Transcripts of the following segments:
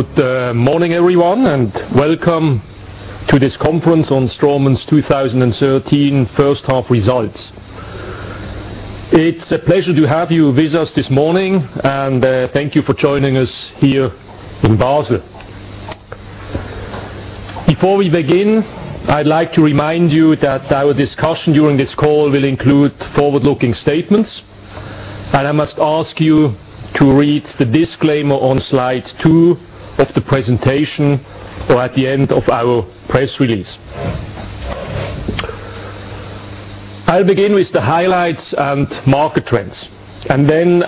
Good morning, everyone, and welcome to this conference on Straumann's 2013 first half results. It's a pleasure to have you with us this morning, and thank you for joining us here in Basel. Before we begin, I'd like to remind you that our discussion during this call will include forward-looking statements. I must ask you to read the disclaimer on slide two of the presentation or at the end of our press release. I'll begin with the highlights and market trends.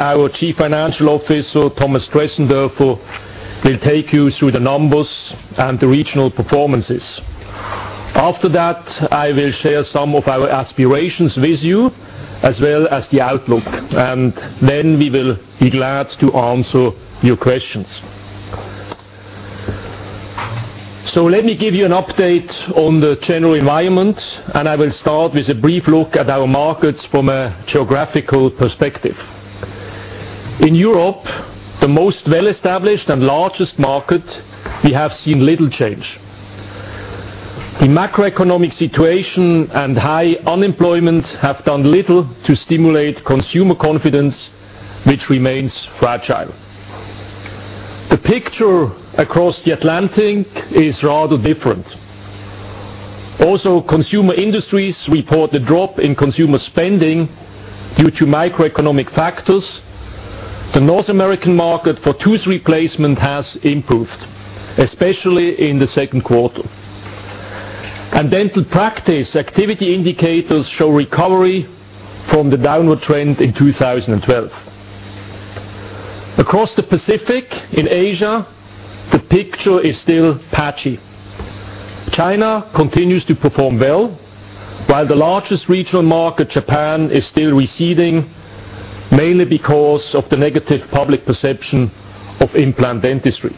Our Chief Financial Officer, Thomas Dressendörfer, will take you through the numbers and the regional performances. After that, I will share some of our aspirations with you, as well as the outlook. We will be glad to answer your questions. Let me give you an update on the general environment, and I will start with a brief look at our markets from a geographical perspective. In Europe, the most well-established and largest market, we have seen little change. The macroeconomic situation and high unemployment have done little to stimulate consumer confidence, which remains fragile. The picture across the Atlantic is rather different. Also, consumer industries report a drop in consumer spending due to microeconomic factors. The North American market for tooth replacement has improved, especially in the second quarter. Dental practice activity indicators show recovery from the downward trend in 2012. Across the Pacific in Asia, the picture is still patchy. China continues to perform well, while the largest regional market, Japan, is still receding, mainly because of the negative public perception of implant dentistry.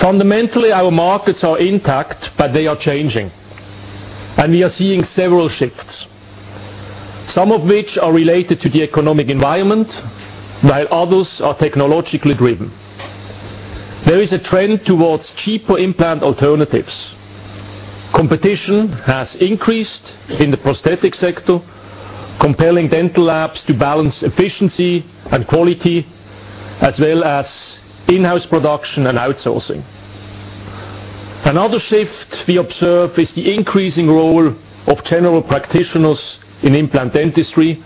Fundamentally, our markets are intact, but they are changing. We are seeing several shifts, some of which are related to the economic environment, while others are technologically driven. There is a trend towards cheaper implant alternatives. Competition has increased in the prosthetic sector, compelling dental labs to balance efficiency and quality, as well as in-house production and outsourcing. Another shift we observe is the increasing role of general practitioners in implant dentistry,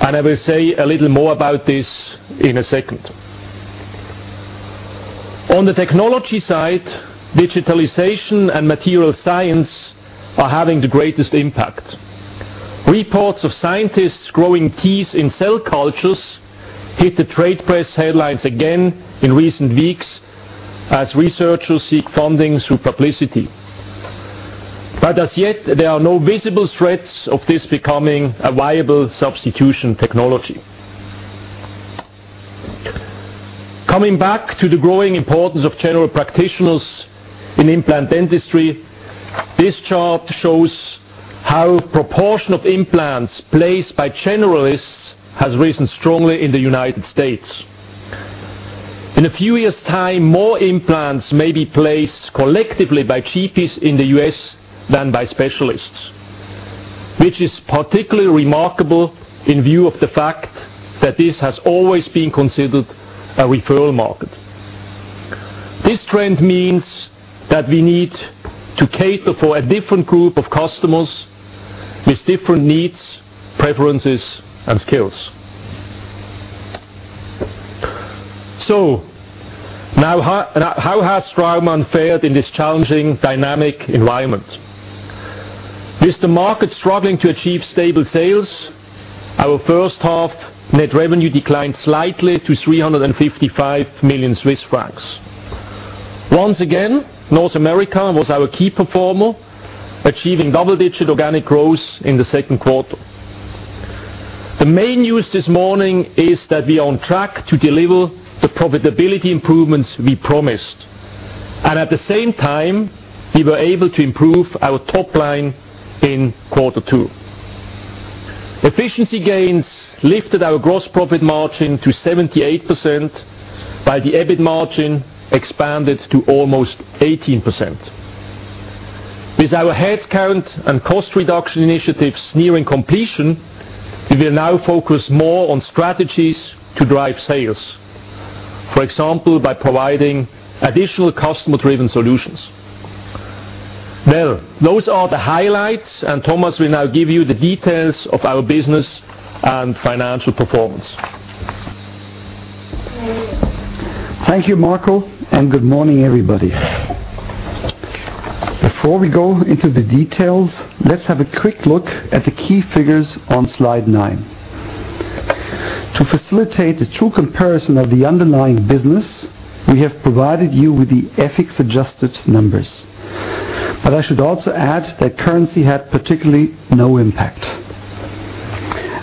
and I will say a little more about this in a second. On the technology side, digitalization and material science are having the greatest impact. Reports of scientists growing teeth in cell cultures hit the trade press headlines again in recent weeks as researchers seek funding through publicity. As yet, there are no visible threats of this becoming a viable substitution technology. Coming back to the growing importance of general practitioners in implant dentistry, this chart shows how proportion of implants placed by generalists has risen strongly in the U.S. In a few years' time, more implants may be placed collectively by GPs in the U.S. than by specialists, which is particularly remarkable in view of the fact that this has always been considered a referral market. This trend means that we need to cater for a different group of customers with different needs, preferences, and skills. How has Straumann fared in this challenging, dynamic environment? With the market struggling to achieve stable sales, our first half net revenue declined slightly to 355 million Swiss francs. Once again, North America was our key performer, achieving double-digit organic growth in the second quarter. The main news this morning is that we are on track to deliver the profitability improvements we promised. At the same time, we were able to improve our top line in quarter two. Efficiency gains lifted our gross profit margin to 78%, while the EBIT margin expanded to almost 18%. With our headcount and cost reduction initiatives nearing completion, we will now focus more on strategies to drive sales, for example, by providing additional customer-driven solutions. Well, those are the highlights, and Thomas will now give you the details of our business and financial performance. Thank you, Marco, and good morning, everybody. Before we go into the details, let's have a quick look at the key figures on slide nine. To facilitate the true comparison of the underlying business, we have provided you with the FX-adjusted numbers. I should also add that currency had particularly no impact.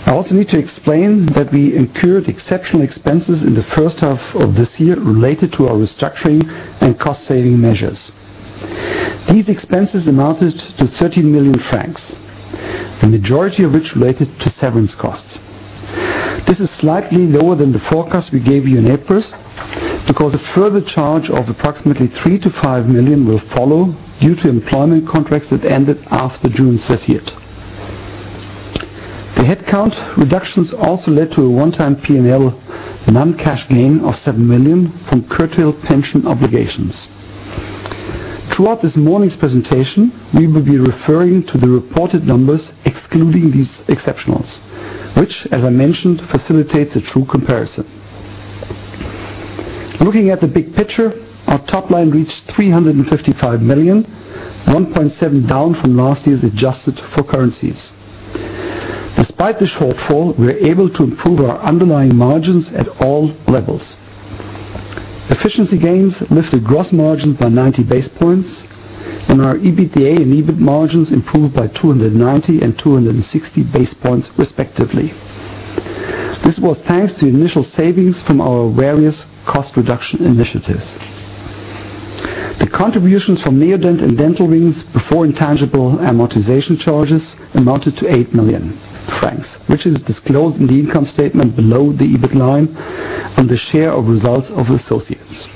I also need to explain that we incurred exceptional expenses in the first half of this year related to our restructuring and cost-saving measures. These expenses amounted to 13 million francs, the majority of which related to severance costs. This is slightly lower than the forecast we gave you in April because a further charge of approximately 3 million-5 million will follow due to employment contracts that ended after June 30th. The headcount reductions also led to a one-time P&L non-cash gain of 7 million from curtailed pension obligations. Throughout this morning's presentation, we will be referring to the reported numbers excluding these exceptionals, which as I mentioned, facilitates a true comparison. Looking at the big picture, our top line reached 355 million, 1.7% down from last year's adjusted for currencies. Despite the shortfall, we were able to improve our underlying margins at all levels. Efficiency gains lifted gross margins by 90 basis points, and our EBITDA and EBIT margins improved by 290 basis points and 260 basis points respectively. This was thanks to initial savings from our various cost reduction initiatives. The contributions from Neodent and Dental Wings before intangible amortization charges amounted to 8 million francs, which is disclosed in the income statement below the EBIT line under share of results of associates.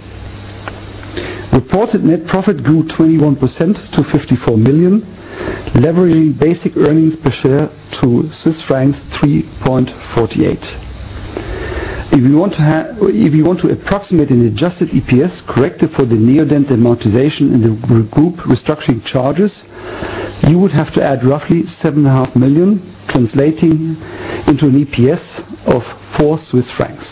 Reported net profit grew 21% to 54 million, leveraging basic earnings per share to Swiss francs 3.48. If you want to approximate an adjusted EPS corrected for the Neodent amortization and the group restructuring charges, you would have to add roughly 7.5 million translating into an EPS of 4 Swiss francs.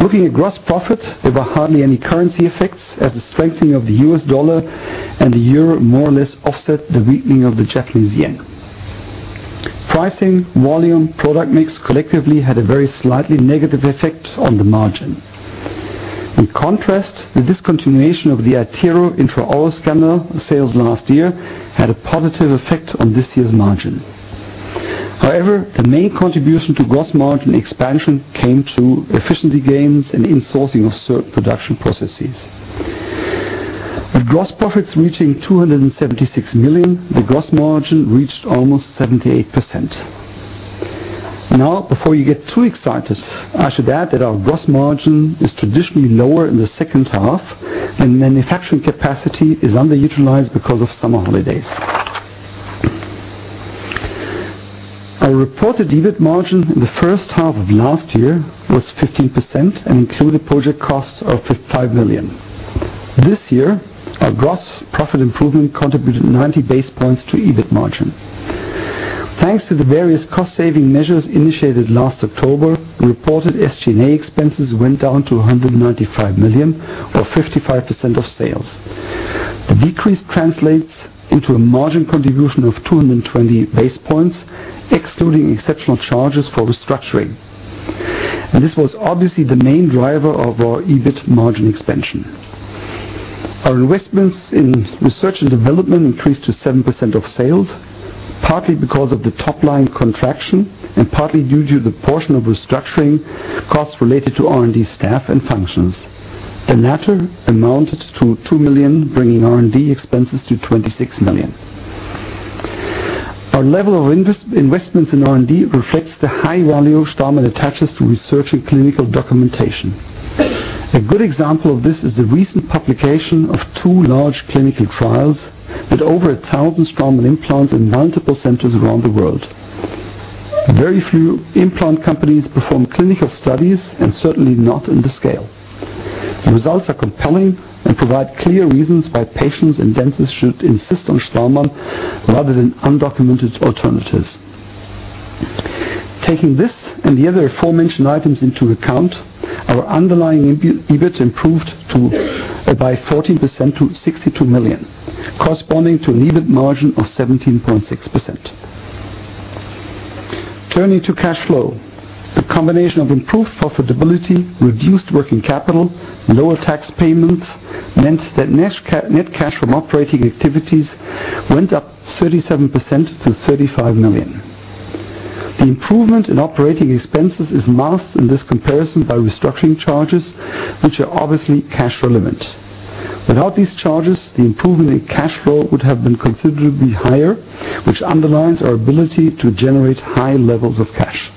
Looking at gross profit, there were hardly any currency effects as the strengthening of the U.S. dollar and the euro more or less offset the weakening of the Japanese yen. Pricing, volume, product mix collectively had a very slightly negative effect on the margin. In contrast, the discontinuation of the iTero intraoral scanner sales last year had a positive effect on this year's margin. However, the main contribution to gross margin expansion came through efficiency gains and insourcing of certain production processes. With gross profits reaching 276 million, the gross margin reached almost 78%. Before you get too excited, I should add that our gross margin is traditionally lower in the second half, and manufacturing capacity is underutilized because of summer holidays. Our reported EBIT margin in the first half of last year was 15% and included project costs of 5 million. This year, our gross profit improvement contributed 90 basis points to EBIT margin. Thanks to the various cost-saving measures initiated last October, reported SG&A expenses went down to 195 million or 55% of sales. The decrease translates into a margin contribution of 220 basis points excluding exceptional charges for restructuring, and this was obviously the main driver of our EBIT margin expansion. Our investments in research and development increased to 7% of sales, partly because of the top-line contraction and partly due to the portion of restructuring costs related to R&D staff and functions. The net amount to 2 million, bringing R&D expenses to 26 million. Our level of investments in R&D reflects the high value Straumann attaches to research and clinical documentation. A good example of this is the recent publication of two large clinical trials with over 1,000 Straumann implants in multiple centers around the world. Very few implant companies perform clinical studies and certainly not on this scale. The results are compelling and provide clear reasons why patients and dentists should insist on Straumann rather than undocumented alternatives. Taking this and the other aforementioned items into account, our underlying EBIT improved by 14% to 62 million, corresponding to an EBIT margin of 17.6%. Turning to cash flow, the combination of improved profitability, reduced working capital, lower tax payments meant that net cash from operating activities went up 37% to 35 million. The improvement in operating expenses is masked in this comparison by restructuring charges, which are obviously cash relevant. Without these charges, the improvement in cash flow would have been considerably higher, which underlines our ability to generate high levels of cash.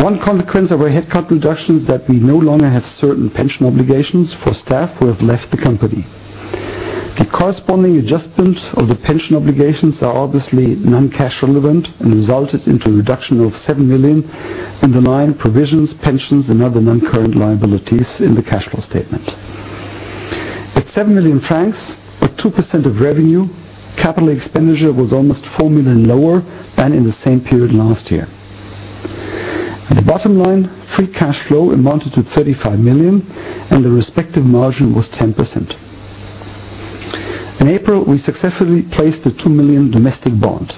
One consequence of our headcount reduction is that we no longer have certain pension obligations for staff who have left the company. The corresponding adjustment of the pension obligations are obviously non-cash relevant and resulted in a reduction of 7 million underlying provisions, pensions, and other non-current liabilities in the cash flow statement. At 7 million francs or 2% of revenue, capital expenditure was almost 4 million lower than in the same period last year. At the bottom line, free cash flow amounted to 35 million, and the respective margin was 10%. In April, we successfully placed a 200 million domestic bond.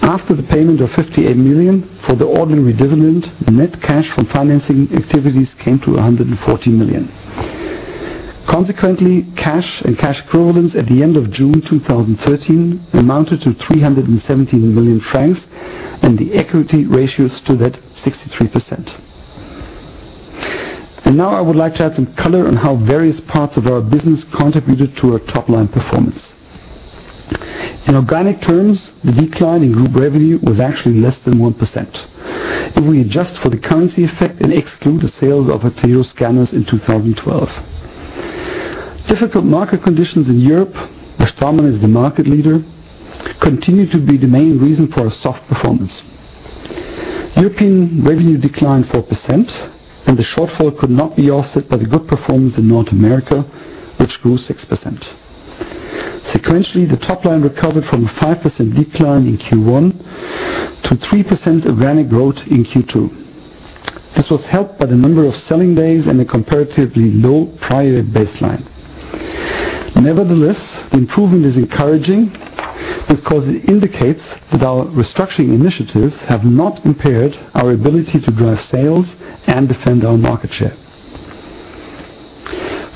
After the payment of 58 million for the ordinary dividend, the net cash from financing activities came to 140 million. Consequently, cash and cash equivalents at the end of June 2013 amounted to 317 million francs, and the equity ratio stood at 63%. Now I would like to add some color on how various parts of our business contributed to our top-line performance. In organic terms, the decline in group revenue was actually less than 1%, if we adjust for the currency effect and exclude the sales of iTero scanners in 2012. Difficult market conditions in Europe, where Straumann is the market leader, continue to be the main reason for our soft performance. European revenue declined 4%, and the shortfall could not be offset by the good performance in North America, which grew 6%. Sequentially, the top line recovered from a 5% decline in Q1 to 3% organic growth in Q2. This was helped by the number of selling days and a comparatively low prior baseline. Nevertheless, the improvement is encouraging because it indicates that our restructuring initiatives have not impaired our ability to drive sales and defend our market share.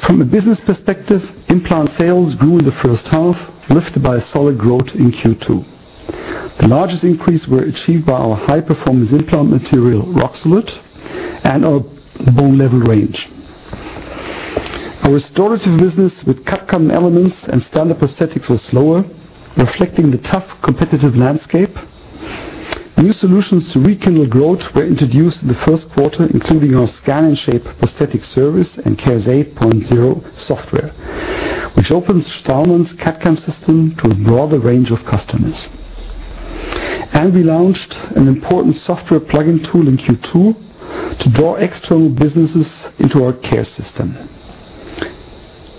From a business perspective, implant sales grew in the first half, lifted by solid growth in Q2. The largest increase were achieved by our high-performance implant material, Roxolid, and our Bone Level range. Our restorative business with CAD/CAM elements and standard prosthetics was slower, reflecting the tough competitive landscape. New solutions to rekindle growth were introduced in the first quarter, including our Scan & Shape prosthetic service and CARES 8.0 software, which opens Straumann's CAD/CAM system to a broader range of customers. We launched an important software plug-in tool in Q2 to draw external businesses into our CARES system.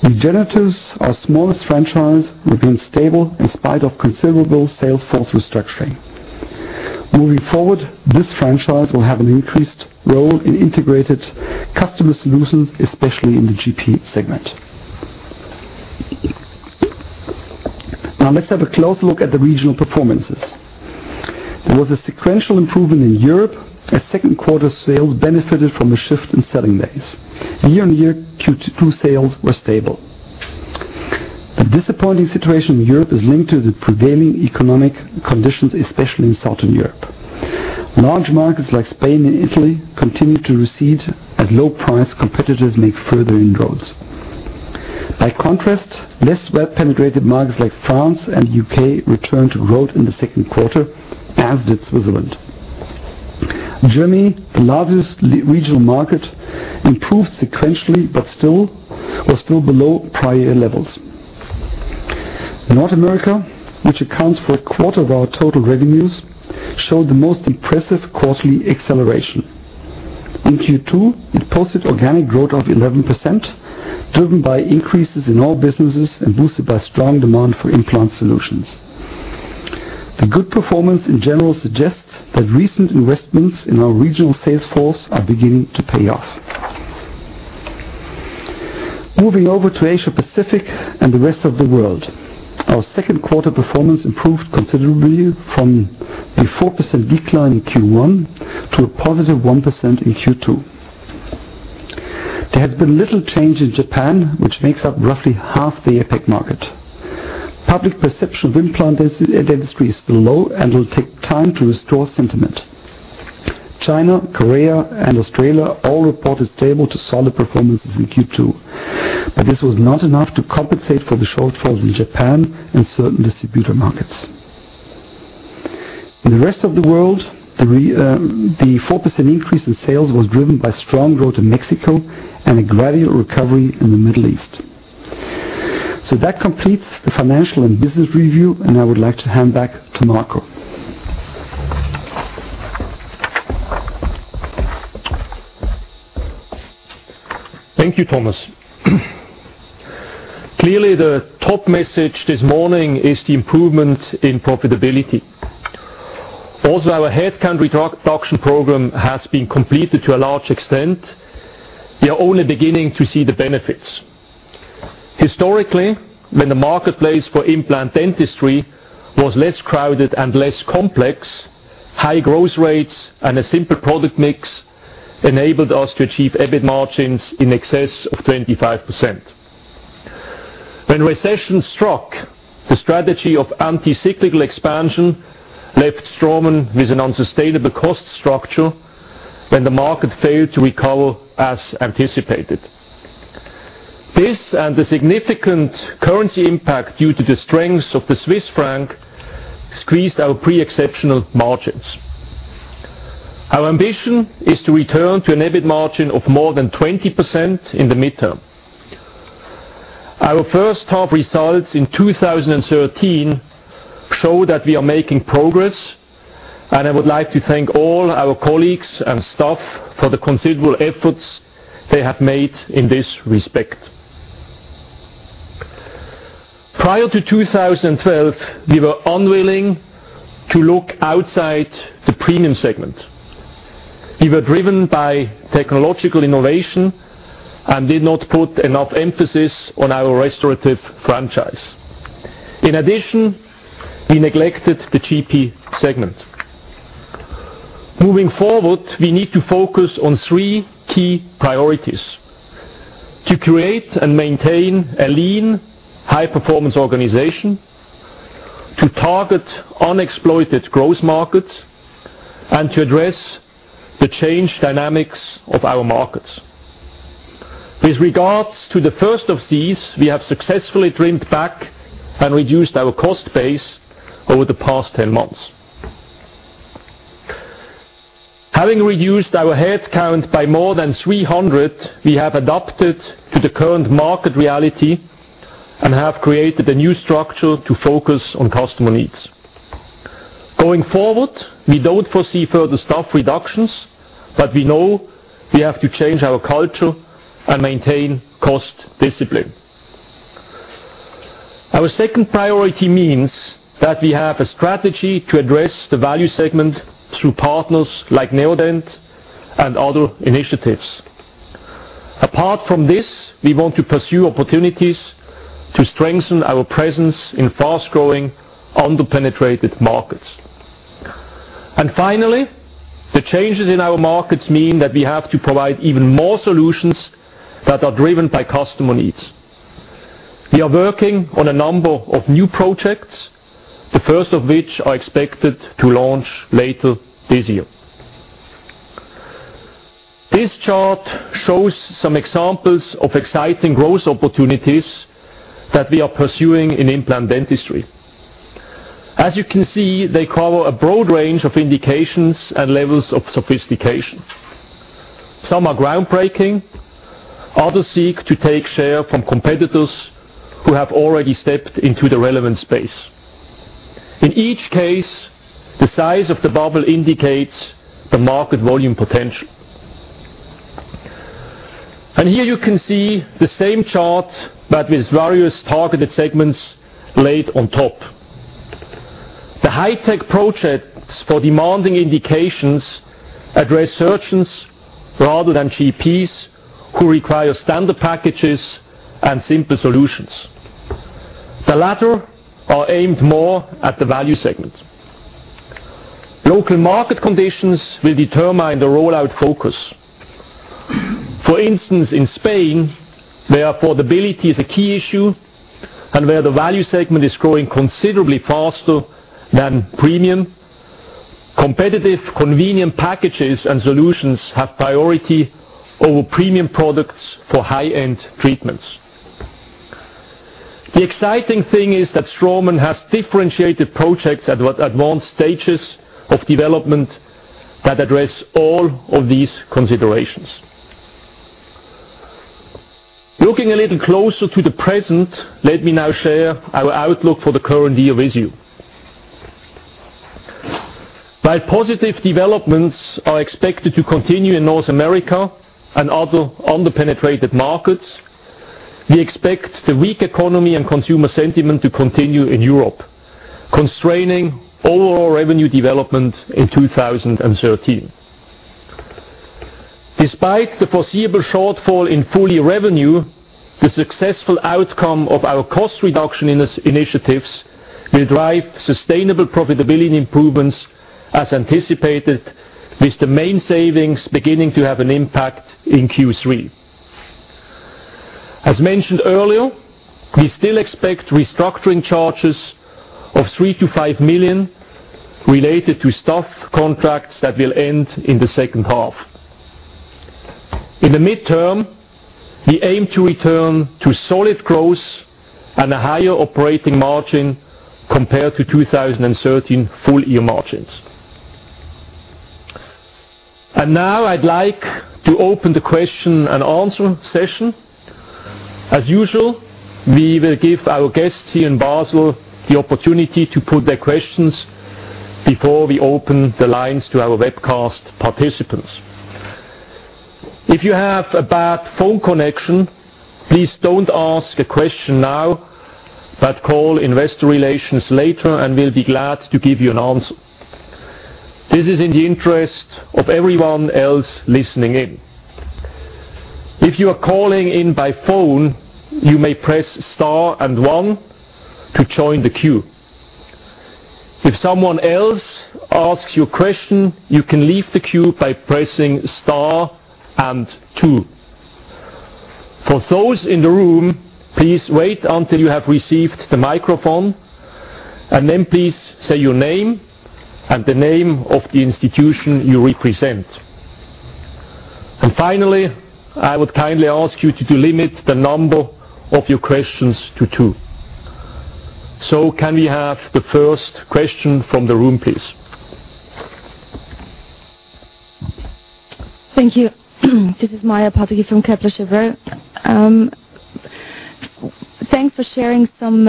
Regeneratives, our smallest franchise, remained stable in spite of considerable sales force restructuring. Moving forward, this franchise will have an increased role in integrated customer solutions, especially in the GP segment. Let's have a close look at the regional performances. There was a sequential improvement in Europe, as second quarter sales benefited from a shift in selling days. Year-over-year Q2 sales were stable. The disappointing situation in Europe is linked to the prevailing economic conditions, especially in Southern Europe. Large markets like Spain and Italy continue to recede as low-price competitors make further inroads. By contrast, less well-penetrated markets like France and the U.K. returned to growth in the second quarter, as did Switzerland. Germany, the largest regional market, improved sequentially but was still below prior levels. North America, which accounts for a quarter of our total revenues, showed the most impressive quarterly acceleration. In Q2, it posted organic growth of 11%, driven by increases in all businesses and boosted by strong demand for implant solutions. The good performance in general suggests that recent investments in our regional sales force are beginning to pay off. Moving over to Asia Pacific and the rest of the world, our second quarter performance improved considerably from a 4% decline in Q1 to a positive 1% in Q2. There has been little change in Japan, which makes up roughly half the APAC market. Public perception of implant dentistry is still low and will take time to restore sentiment. China, Korea, and Australia all reported stable to solid performances in Q2, but this was not enough to compensate for the shortfall in Japan and certain distributor markets. In the rest of the world, the 4% increase in sales was driven by strong growth in Mexico and a gradual recovery in the Middle East. That completes the financial and business review, and I would like to hand back to Marco. Thank you, Thomas. Clearly, the top message this morning is the improvement in profitability. Also, our headcount reduction program has been completed to a large extent. We are only beginning to see the benefits. Historically, when the marketplace for implant dentistry was less crowded and less complex, high growth rates and a simpler product mix enabled us to achieve EBIT margins in excess of 25%. When recession struck, the strategy of anti-cyclical expansion left Straumann with an unsustainable cost structure when the market failed to recover as anticipated. This and the significant currency impact due to the strength of the Swiss franc squeezed our pre-exceptional margins. Our ambition is to return to an EBIT margin of more than 20% in the midterm. Our first half results in 2013 show that we are making progress, and I would like to thank all our colleagues and staff for the considerable efforts they have made in this respect. Prior to 2012, we were unwilling to look outside the premium segment. We were driven by technological innovation and did not put enough emphasis on our restorative franchise. In addition, we neglected the GP segment. Moving forward, we need to focus on three key priorities: to create and maintain a lean, high-performance organization, to target unexploited growth markets, and to address the changed dynamics of our markets. With regards to the first of these, we have successfully trimmed back and reduced our cost base over the past 10 months. Having reduced our headcount by more than 300, we have adapted to the current market reality and have created a new structure to focus on customer needs. Going forward, we don't foresee further staff reductions, but we know we have to change our culture and maintain cost discipline. Our second priority means that we have a strategy to address the value segment through partners like Neodent and other initiatives. Apart from this, we want to pursue opportunities to strengthen our presence in fast-growing, under-penetrated markets. Finally, the changes in our markets mean that we have to provide even more solutions that are driven by customer needs. We are working on a number of new projects, the first of which are expected to launch later this year. This chart shows some examples of exciting growth opportunities that we are pursuing in implant dentistry. As you can see, they cover a broad range of indications and levels of sophistication. Some are groundbreaking. Others seek to take share from competitors who have already stepped into the relevant space. In each case, the size of the bubble indicates the market volume potential. Here you can see the same chart, but with various targeted segments laid on top. The high-tech projects for demanding indications address surgeons rather than GPs who require standard packages and simple solutions. The latter are aimed more at the value segment. Local market conditions will determine the rollout focus. For instance, in Spain, where affordability is a key issue and where the value segment is growing considerably faster than premium, competitive, convenient packages and solutions have priority over premium products for high-end treatments. The exciting thing is that Straumann has differentiated projects at advanced stages of development that address all of these considerations. Looking a little closer to the present, let me now share our outlook for the current year with you. While positive developments are expected to continue in North America and other under-penetrated markets, we expect the weak economy and consumer sentiment to continue in Europe, constraining overall revenue development in 2013. Despite the foreseeable shortfall in full-year revenue, the successful outcome of our cost reduction initiatives will drive sustainable profitability improvements as anticipated, with the main savings beginning to have an impact in Q3. As mentioned earlier, we still expect restructuring charges of 3 million-5 million related to staff contracts that will end in the second half. In the midterm, we aim to return to solid growth and a higher operating margin compared to 2013 full-year margins. Now I'd like to open the question and answer session. As usual, we will give our guests here in Basel the opportunity to put their questions before we open the lines to our webcast participants. If you have a bad phone connection, please don't ask a question now, but call investor relations later and we'll be glad to give you an answer. This is in the interest of everyone else listening in. If you are calling in by phone, you may press star 1 to join the queue. If someone else asks your question, you can leave the queue by pressing star 2. For those in the room, please wait until you have received the microphone, and then please say your name and the name of the institution you represent. Finally, I would kindly ask you to limit the number of your questions to two. Can we have the first question from the room, please? Thank you. This is Maja Pataki from Kepler Cheuvreux. Thanks for sharing some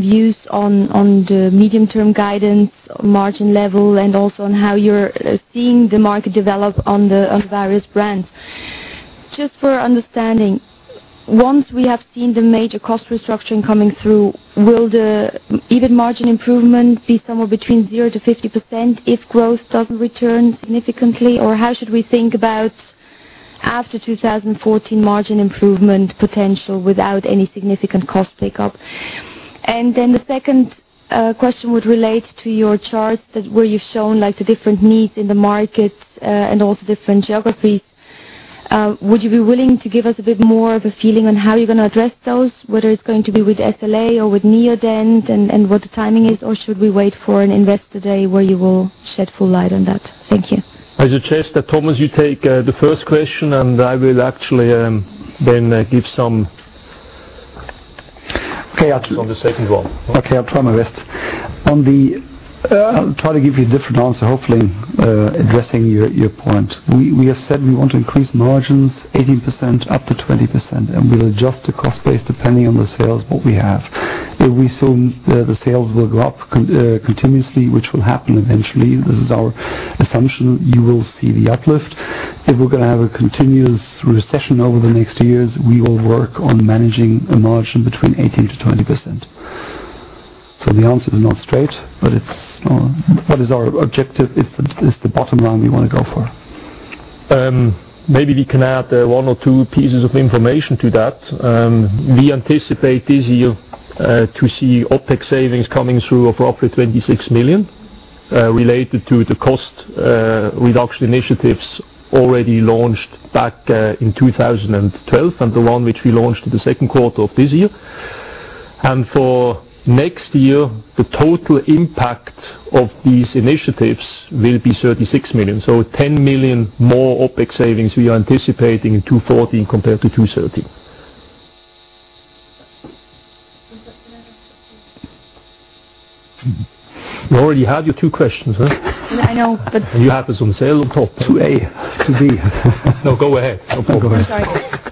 views on the medium-term guidance margin level and also on how you're seeing the market develop on the various brands. Just for understanding, once we have seen the major cost restructuring coming through, will the EBIT margin improvement be somewhere between 0%-50% if growth doesn't return significantly? How should we think about After 2014 margin improvement potential without any significant cost pickup. Then the second question would relate to your charts where you've shown the different needs in the markets and also different geographies. Would you be willing to give us a bit more of a feeling on how you're going to address those, whether it's going to be with SLA or with Neodent, and what the timing is? Should we wait for an investor day where you will shed full light on that? Thank you. I suggest that, Thomas, you take the first question. I will actually then give some- Okay. On the second one. Okay, I'll try my best. I'll try to give you a different answer, hopefully addressing your point. We have said we want to increase margins 18% up to 20%. We'll adjust the cost base depending on the sales that we have. If we assume the sales will go up continuously, which will happen eventually, this is our assumption, you will see the uplift. If we're going to have a continuous recession over the next years, we will work on managing a margin between 18%-20%. That is our objective, it's the bottom line we want to go for. Maybe we can add one or two pieces of information to that. We anticipate this year to see OpEx savings coming through of roughly 26 million related to the cost reduction initiatives already launched back in 2012 and the one which we launched in the second quarter of this year. For next year, the total impact of these initiatives will be 36 million. 10 million more OpEx savings we are anticipating in 2014 compared to 2013. You already had your two questions? I know. You have this on sale, top, 2A, 2B. No, go ahead. I'm sorry.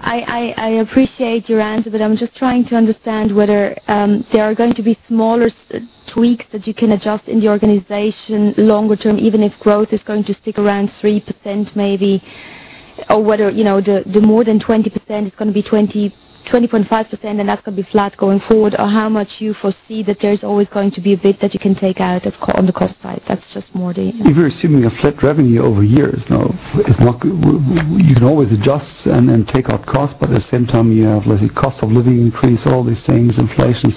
I appreciate your answer, but I'm just trying to understand whether there are going to be smaller tweaks that you can adjust in the organization longer term, even if growth is going to stick around 3% maybe, or whether the more than 20% is going to be 20.5%, and that's going to be flat going forward. How much you foresee that there's always going to be a bit that you can take out on the cost side. If you're assuming a flat revenue over years, you can always adjust and take out cost. At the same time, you have the cost of living increase, all these things, inflation.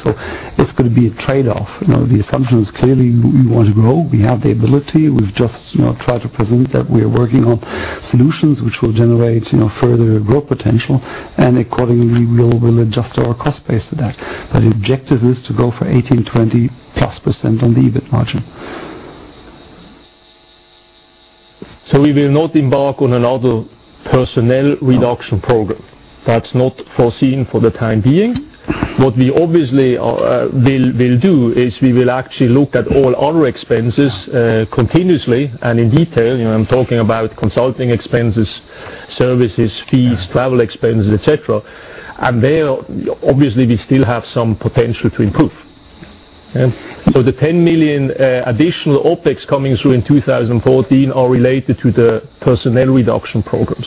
It's going to be a trade-off. The assumption is clearly we want to grow. We have the ability. We've just tried to present that we are working on solutions which will generate further growth potential. Accordingly, we will adjust our cost base to that. That objective is to go for 18%, 20-plus percent on the EBIT margin. We will not embark on another personnel reduction program. That is not foreseen for the time being. What we obviously will do is we will actually look at all other expenses continuously and in detail. I am talking about consulting expenses, services, fees, travel expenses, et cetera. There, obviously, we still have some potential to improve. The 10 million additional OpEx coming through in 2014 are related to the personnel reduction programs.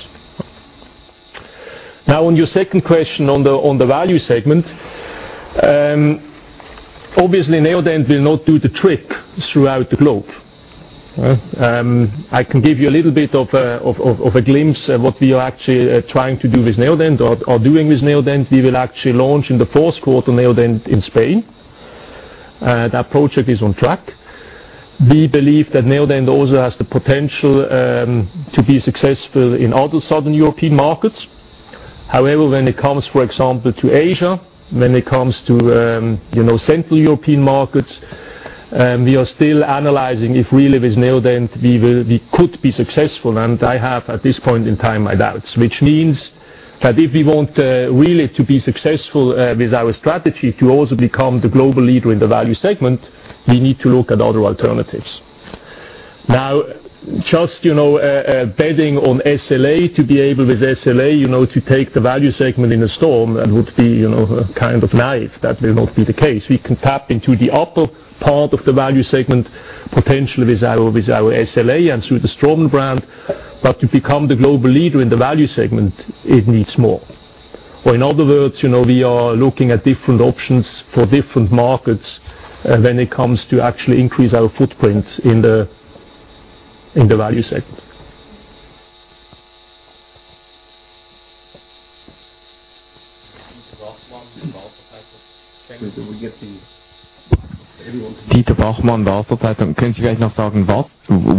On your second question on the value segment, obviously Neodent will not do the trick throughout the globe. I can give you a little bit of a glimpse at what we are actually trying to do with Neodent or doing with Neodent. We will actually launch in the fourth quarter Neodent in Spain. That project is on track. We believe that Neodent also has the potential to be successful in other Southern European markets. When it comes, for example, to Asia, when it comes to Central European markets, we are still analyzing if really with Neodent, we could be successful, and I have, at this point in time, my doubts. If we want really to be successful with our strategy to also become the global leader in the value segment, we need to look at other alternatives. Just betting on SLA to be able with SLA to take the value segment in a storm, that would be kind of naive. That will not be the case. We can tap into the upper part of the value segment, potentially with our SLA and through the Straumann brand. To become the global leader in the value segment, it needs more. In other words, we are looking at different options for different markets when it comes to actually increase our footprint in the value segment.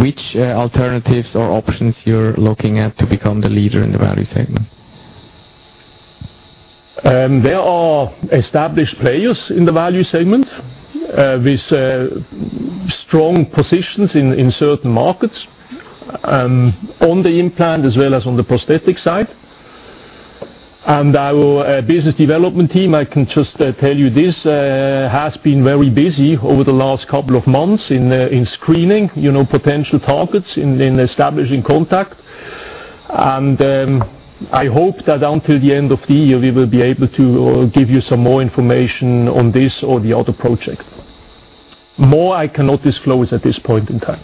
Which alternatives or options you are looking at to become the leader in the value segment? There are established players in the value segment with strong positions in certain markets, on the implant as well as on the prosthetic side. Our business development team, I can just tell you this, has been very busy over the last couple of months in screening potential targets, in establishing contact. I hope that until the end of the year, we will be able to give you some more information on this or the other project. More I cannot disclose at this point in time.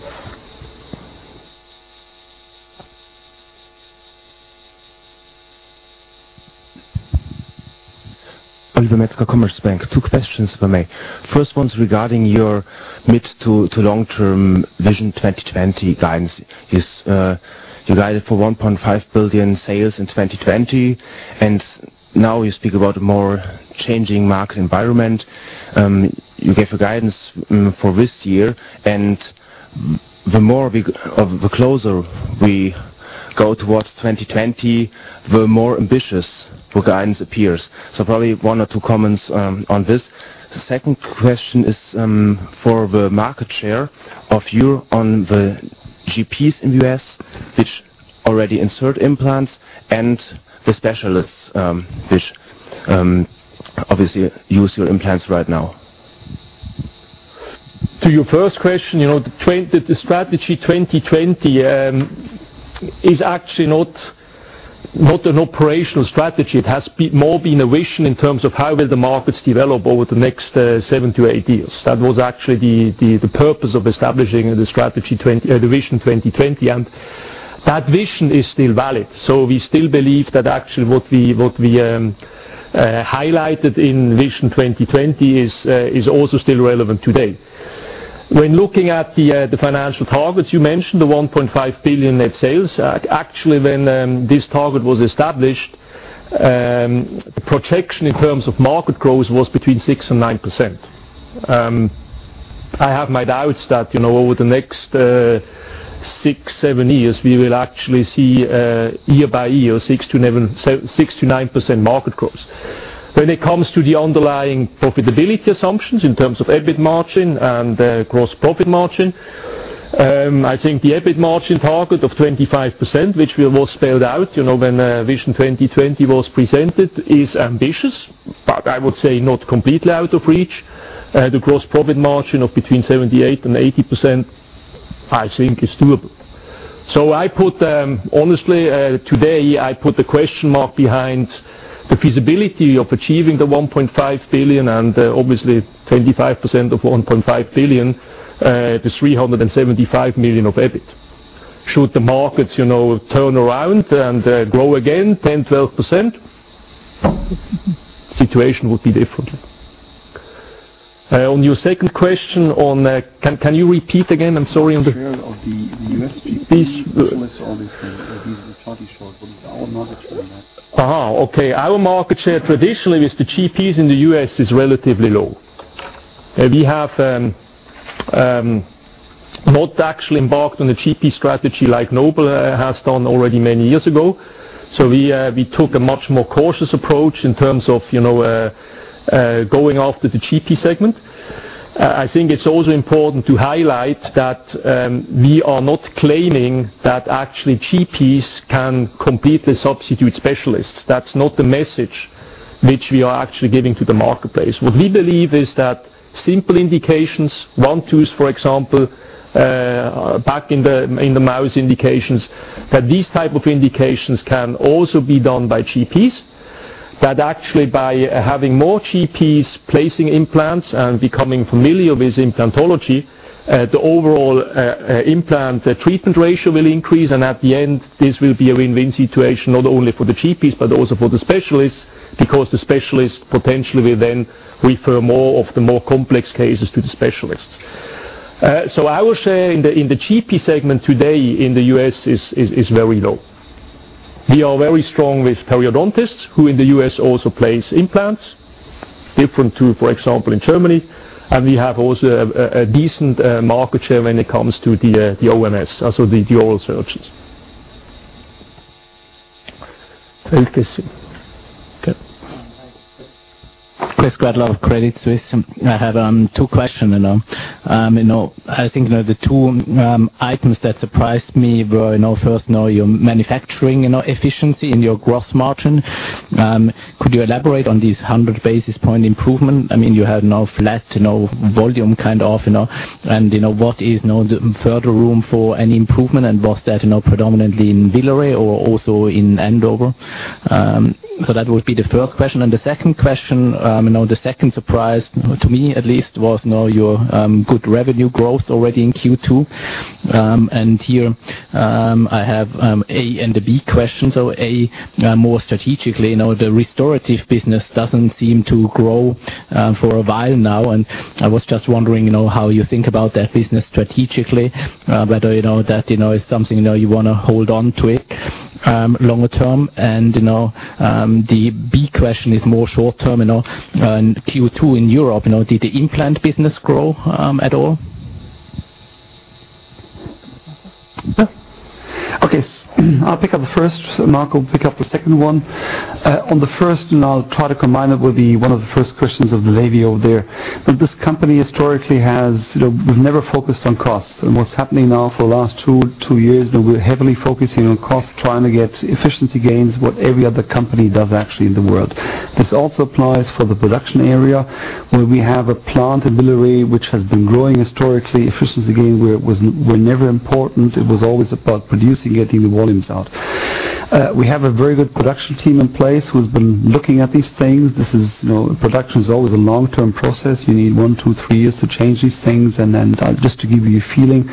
Oliver Metzger, Commerzbank. Two questions from me. First one's regarding your mid to long-term Vision 2020 guidance. You guided for 1.5 billion sales in 2020, now you speak about a more changing market environment. You gave a guidance for this year, the closer we go towards 2020, the more ambitious the guidance appears. Probably one or two comments on this. The second question is for the market share of you on the GPs in the U.S., which already insert implants, and the specialists, which obviously use your implants right now. To your first question, the strategy 2020 is actually not an operational strategy. It has more been a vision in terms of how will the markets develop over the next seven to eight years. That was actually the purpose of establishing the Vision 2020, that vision is still valid. We still believe that actually what we highlighted in Vision 2020 is also still relevant today. When looking at the financial targets, you mentioned the 1.5 billion net sales. Actually, when this target was established, the projection in terms of market growth was between 6%-9%. I have my doubts that, over the next six, seven years, we will actually see, year by year, 6%-9% market growth. When it comes to the underlying profitability assumptions in terms of EBIT margin and gross profit margin, I think the EBIT margin target of 25%, which was spelled out, when Vision 2020 was presented, is ambitious, I would say not completely out of reach. The gross profit margin of between 78%-80%, I think is doable. Honestly, today, I put the question mark behind the feasibility of achieving the 1.5 billion, obviously 25% of 1.5 billion, the 375 million of EBIT. Should the markets turn around and grow again 10%-12%, situation would be different. On your second question, can you repeat again? The share of the U.S. GPs specialists, obviously. This is a tiny share from our market share. Okay. Our market share traditionally with the GPs in the U.S. is relatively low. We have not actually embarked on a GP strategy like Nobel has done already many years ago. We took a much more cautious approach in terms of going after the GP segment. I think it's also important to highlight that we are not claiming that actually GPs can completely substitute specialists. That's not the message which we are actually giving to the marketplace. What we believe is that simple indications, one tooth, for example, back in the mouth indications, that these type of indications can also be done by GPs. That actually by having more GPs placing implants and becoming familiar with implantology, the overall implant treatment ratio will increase. At the end, this will be a win-win situation, not only for the GPs, but also for the specialists, because the specialists potentially will then refer more of the more complex cases to the specialists. I would say, in the GP segment today in the U.S. is very low. We are very strong with periodontists, who in the U.S. also place implants, different to, for example, in Germany, and we have also a decent market share when it comes to the OMS, so the oral surgeons. Okay. Hi. Christoph Gretler, Credit Suisse. I have two question. I think the two items that surprised me were, first, your manufacturing efficiency and your gross margin. Could you elaborate on this 100-basis-point improvement? You had no flat, no volume kind of, what is now the further room for any improvement, and was that predominantly in Villeret or also in Andover? That would be the first question. The second question, the second surprise to me, at least, was your good revenue growth already in Q2. Here, I have A and a B question. A, more strategically, the restorative business doesn't seem to grow for a while now. I was just wondering, how you think about that business strategically, whether that is something you want to hold on to it longer-term. The B question is more short-term. In Q2 in Europe, did the implant business grow at all? Yeah. Okay. I'll pick up the first. Marco will pick up the second one. On the first, I'll try to combine it with one of the first questions of Maja over there. This company historically has never focused on costs. What's happening now for the last two years, we're heavily focusing on cost, trying to get efficiency gains, what every other company does actually in the world. This also applies for the production area, where we have a plant in Villeret, which has been growing historically. Efficiency gain were never important. It was always about producing, getting the volumes out. We have a very good production team in place who's been looking at these things. Production is always a long-term process. You need one, two, three years to change these things. Just to give you a feeling-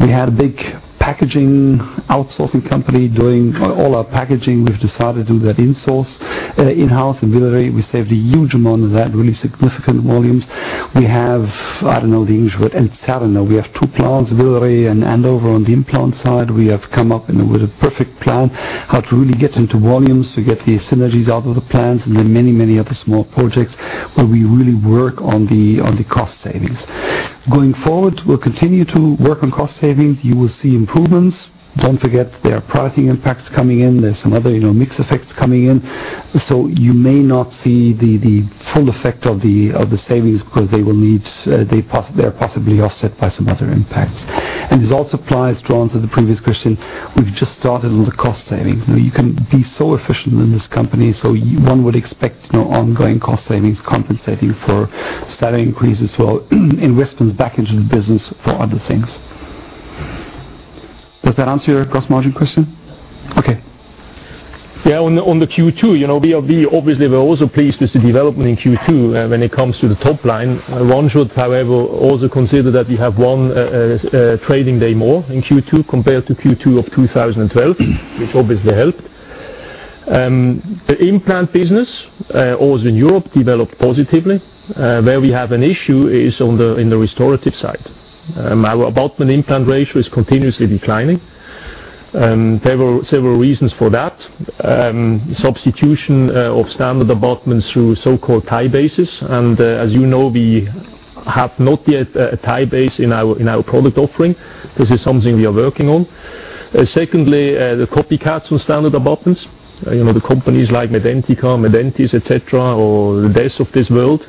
We had a big packaging outsourcing company doing all our packaging. We've decided to do that in-house. In Villeret, we saved a huge amount of that, really significant volumes. We have, I don't know the English word. In Saarland, we have two plants, Villeret and Andover. On the implant side, we have come up with a perfect plan how to really get into volumes, to get the synergies out of the plants, many other small projects where we really work on the cost savings. Going forward, we'll continue to work on cost savings. You will see improvements. Don't forget there are pricing impacts coming in. There are some other mix effects coming in. You may not see the full effect of the savings because they are possibly offset by some other impacts. This also applies to answer the previous question. We've just started on the cost savings. You can be so efficient in this company, one would expect ongoing cost savings compensating for salary increases or investments back into the business for other things. Does that answer your gross margin question? Okay. Yeah, on the Q2, we obviously were also pleased with the development in Q2 when it comes to the top line. One should, however, also consider that we have one trading day more in Q2 compared to Q2 of 2012, which obviously helped. The implant business, also in Europe, developed positively. Where we have an issue is in the restorative side. Our abutment-implant ratio is continuously declining. Several reasons for that. Substitution of standard abutments through so-called Ti-Bases. As you know, we have not yet a Ti-Base in our product offering. This is something we are working on. Secondly, the copycats on standard abutments. The companies like Medentika, Medentis, et cetera, or the Dents of this world.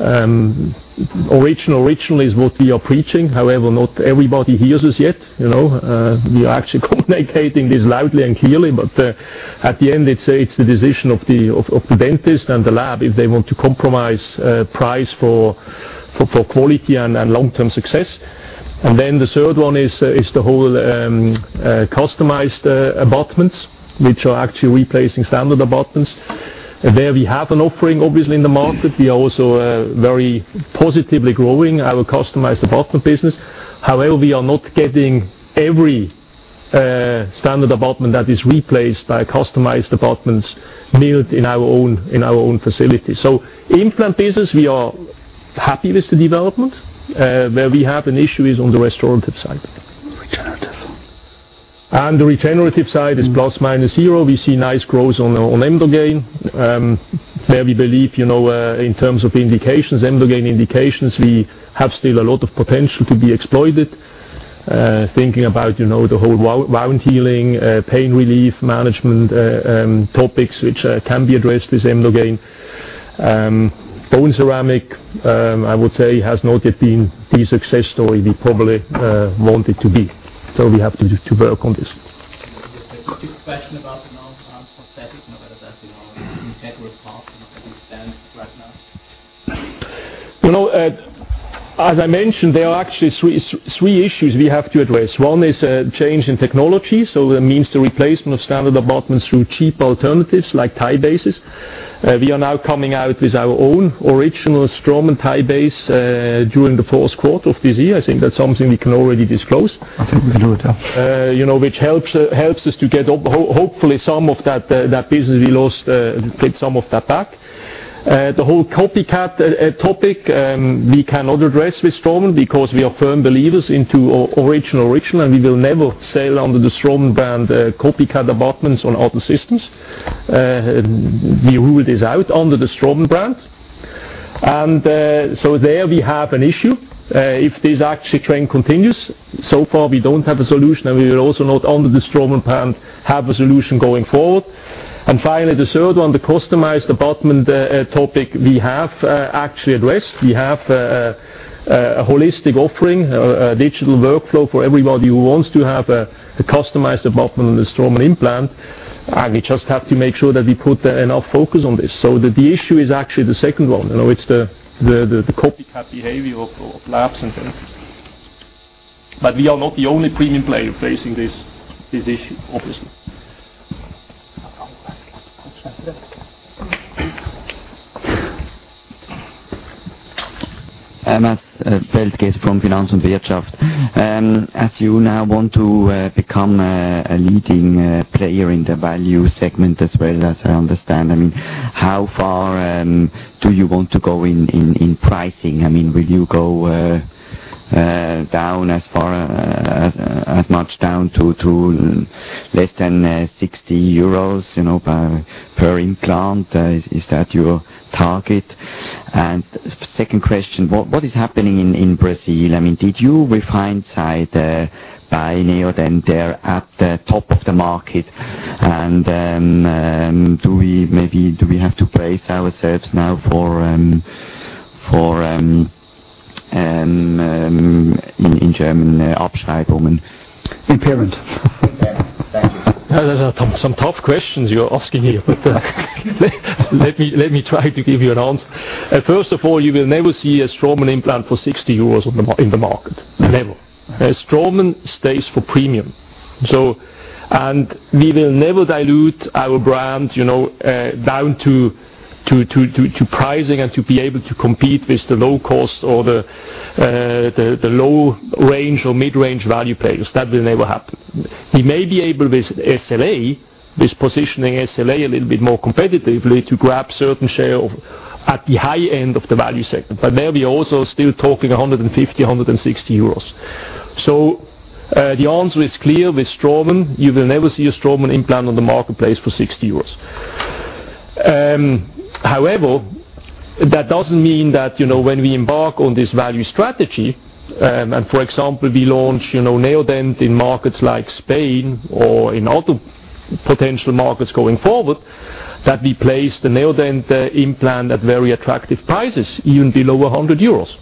Original is what we are preaching. Not everybody hears us yet. We are actually communicating this loudly and clearly, at the end, it's the decision of the dentist and the lab if they want to compromise price for quality and long-term success. Then the third one is the whole customized abutments, which are actually replacing standard abutments. There we have an offering, obviously, in the market. We are also very positively growing our customized abutment business. We are not getting every standard abutment that is replaced by customized abutments milled in our own facility. Implant business, we are happy with the development. Where we have an issue is on the restorative side. Regenerative. The regenerative side is plus/minus zero. We see nice growth on Emdogain, where we believe in terms of indications, Emdogain indications, we have still a lot of potential to be exploited. Thinking about the whole wound healing, pain relief management topics, which can be addressed with Emdogain. BoneCeramic, I would say, has not yet been the success story we probably want it to be. We have to work on this. Just a specific question about the non-repeat business. As you know, in category path. As I mentioned, there are actually three issues we have to address. One is change in technology. That means the replacement of standard abutments through cheap alternatives like Ti-Bases. We are now coming out with our own original Straumann Ti-Base during the first quarter of this year. I think that's something we can already disclose. I think we can do it, yeah. Which helps us to get, hopefully, some of that business we lost, get some of that back. The whole copycat topic, we cannot address with Straumann because we are firm believers into original. We will never sell under the Straumann brand copycat abutments on other systems. We rule this out under the Straumann brand. There we have an issue. If this actually trend continues, so far, we don't have a solution, and we will also not under the Straumann brand have a solution going forward. Finally, the third one, the customized abutment topic we have actually addressed. We have a holistic offering, a digital workflow for everybody who wants to have a customized abutment on the Straumann implant. We just have to make sure that we put enough focus on this so that the issue is actually the second one. It's the copycat behavior of labs and dentists. We are not the only premium player facing this issue, obviously. Emmaus from Finanz und Wirtschaft. As you now want to become a leading player in the value segment as well, as I understand, how far do you want to go in pricing? Will you go as much down to less than €60 per implant? Is that your target? Second question, what is happening in Brazil? Did you, with hindsight, buy Neodent there at the top of the market? Maybe do we have to brace ourselves now for, in German, Wertberichtigungen. Impairment. Impairment. Thank you. Those are some tough questions you're asking here. Let me try to give you an answer. First of all, you will never see a Straumann implant for €60 in the market. Never. Straumann stays for premium. We will never dilute our brand down to pricing and to be able to compete with the low cost or the low range or mid-range value players. That will never happen. We may be able with SLA, with positioning SLA a little bit more competitively to grab certain share at the high end of the value segment, but there we also still talking 150, €160. The answer is clear with Straumann, you will never see a Straumann implant on the marketplace for €60. However, that doesn't mean that when we embark on this value strategy, for example, we launch Neodent in markets like Spain or in other potential markets going forward, that we place the Neodent implant at very attractive prices, even below €100.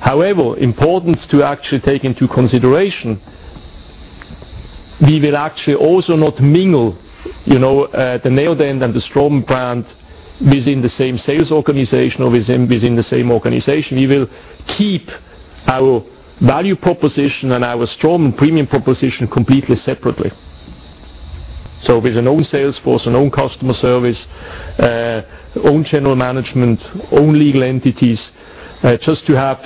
However, important to actually take into consideration, we will actually also not mingle the Neodent and the Straumann brand within the same sales organization or within the same organization. We will keep our value proposition and our Straumann premium proposition completely separately. With an own sales force and own customer service, own general management, own legal entities, just to have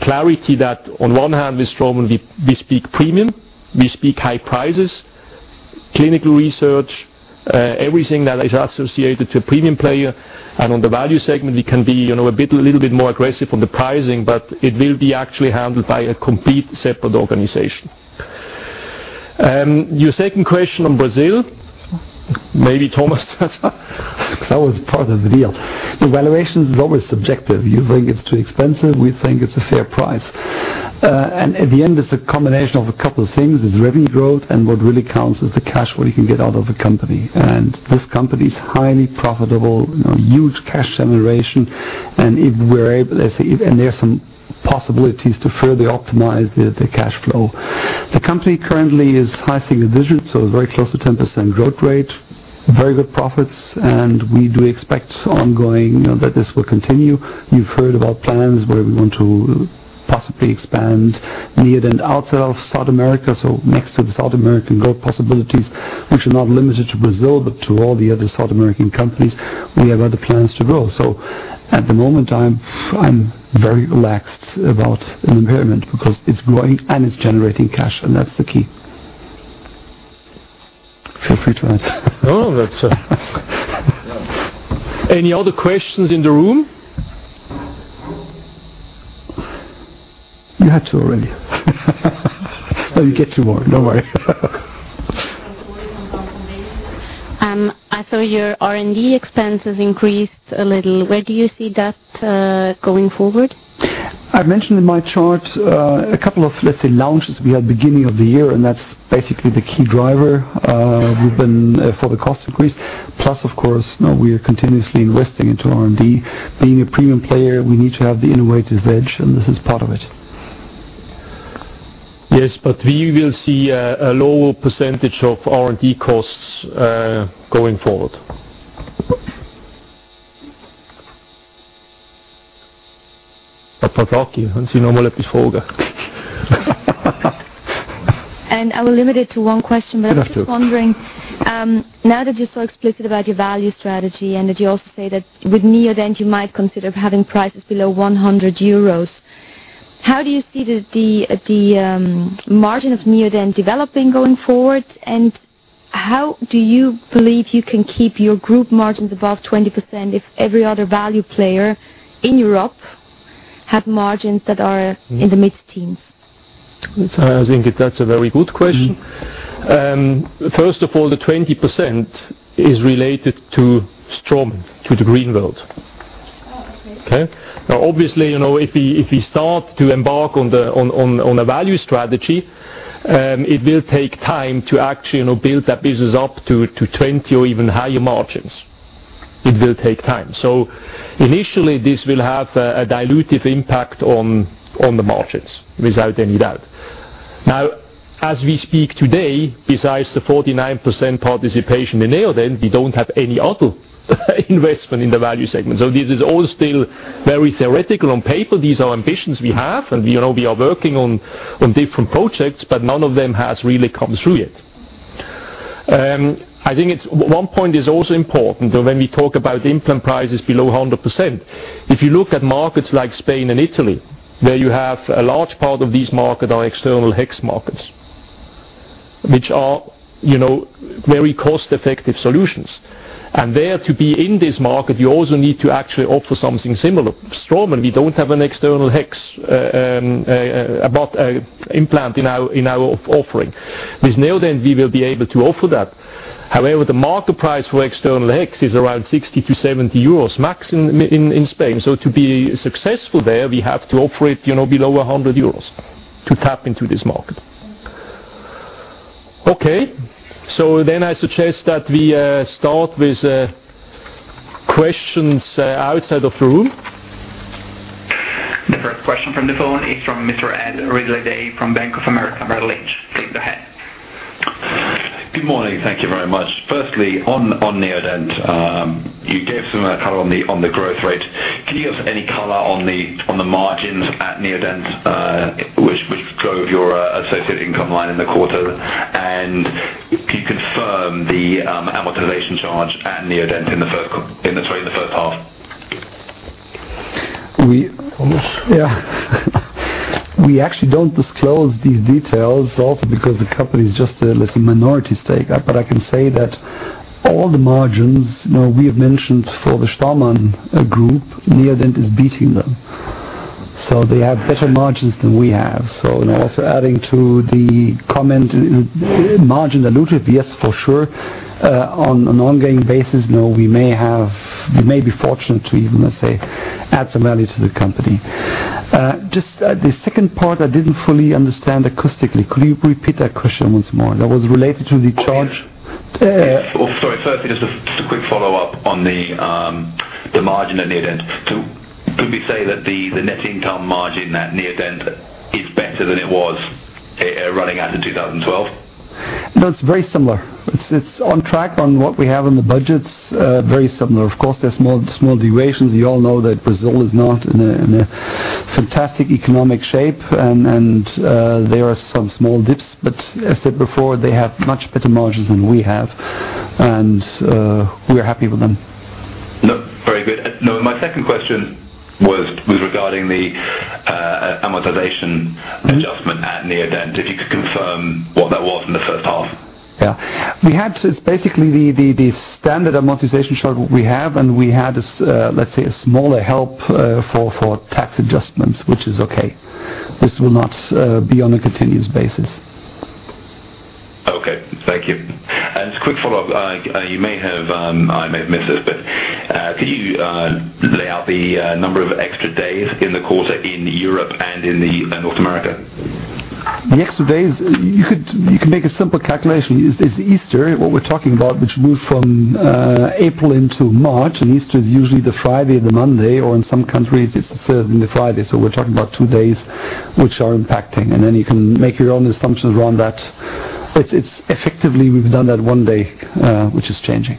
clarity that on one hand with Straumann, we speak premium, we speak high prices, clinical research, everything that is associated to a premium player. On the value segment, we can be a little bit more aggressive on the pricing, but it will be actually handled by a complete separate organization. Your second question on Brazil, maybe Thomas That was part of the deal. The valuation is always subjective. You think it's too expensive, we think it's a fair price. At the end, it's a combination of a couple things. There's revenue growth, and what really counts is the cash what you can get out of a company. This company is highly profitable, huge cash generation, and there's some possibilities to further optimize the cash flow. The company currently is high single digits, so very close to 10% growth rate, very good profits, and we do expect ongoing that this will continue. You've heard about plans where we want to possibly expand beyond South America. Beyond our growth possibilities, which are not limited to Brazil, but to all the other South American countries. We have other plans to grow. At the moment, I'm very relaxed about an impairment because it's growing and it's generating cash, and that's the key. Feel free to answer. Any other questions in the room? You had two already. You get two more, don't worry. I saw your R&D expenses increased a little. Where do you see that going forward? I mentioned in my chart, a couple of, let's say, launches we had beginning of the year, that's basically the key driver for the cost increase. Of course, we are continuously investing into R&D. Being a premium player, we need to have the innovative edge, and this is part of it. Yes, we will see a lower % of R&D costs going forward. I will limit it to one question. Yes I'm just wondering, now that you're so explicit about your value strategy and that you also say that with Neodent you might consider having prices below 100 euros, how do you see the margin of Neodent developing going forward? How do you believe you can keep your group margins above 20% if every other value player in Europe have margins that are in the mid-teens? I think that's a very good question. First of all, the 20% is related to Straumann, to the green field. Oh, okay. Okay. Obviously, if we start to embark on a value strategy, it will take time to actually build that business up to 20 or even higher margins. It will take time. Initially, this will have a dilutive impact on the margins, without any doubt. As we speak today, besides the 49% participation in Neodent, we don't have any other investment in the value segment. This is all still very theoretical on paper. These are ambitions we have, and we are working on different projects, but none of them has really come through yet. I think one point is also important, when we talk about implant prices below 100%. If you look at markets like Spain and Italy, where you have a large part of these market are external hex markets, which are very cost-effective solutions. There, to be in this market, you also need to actually offer something similar. Straumann, we don't have an external hex implant in our offering. With Neodent, we will be able to offer that. However, the market price for external hex is around 60-70 euros max in Spain. To be successful there, we have to offer it below 100 euros to tap into this market. I suggest that we start with questions outside of the room. The first question from the phone is from Mr. Ed Ridley-Day from Bank of America Merrill Lynch. Please go ahead. Good morning. Thank you very much. Firstly, on Neodent, you gave some color on the growth rate. Can you give any color on the margins at Neodent, which drove your associated income line in the quarter? The amortization charge at Neodent in the first half. We- Almost. We actually don't disclose these details, also because the company's just a minority stake. I can say that all the margins we have mentioned for the Straumann Group, Neodent is beating them. They have better margins than we have. Also adding to the comment, margin alluded, yes, for sure. On an ongoing basis, we may be fortunate to even, let's say, add some value to the company. Just the second part, I didn't fully understand acoustically. Could you repeat that question once more? That was related to the Sorry, firstly, just a quick follow-up on the margin at Neodent. Could we say that the net income margin at Neodent is better than it was running out in 2012? It's very similar. It's on track on what we have on the budgets, very similar. Of course, there's small deviations. You all know that Brazil is not in a fantastic economic shape, there are some small dips, as I said before, they have much better margins than we have. We are happy with them. Very good. My second question was regarding the amortization adjustment at Neodent. If you could confirm what that was in the first half. Yeah. It's basically the standard amortization charge we have. We had, let's say, a smaller help for tax adjustments, which is okay. This will not be on a continuous basis. Okay. Thank you. Just a quick follow-up. I may have missed this, but can you lay out the number of extra days in the quarter in Europe and in North America? The extra days, you could make a simple calculation. It's Easter, what we're talking about, which moved from April into March. Easter is usually the Friday or the Monday, or in some countries, it's the Thursday and the Friday. We're talking about two days which are impacting. Then you can make your own assumptions around that. It's effectively, we've done that one day, which is changing.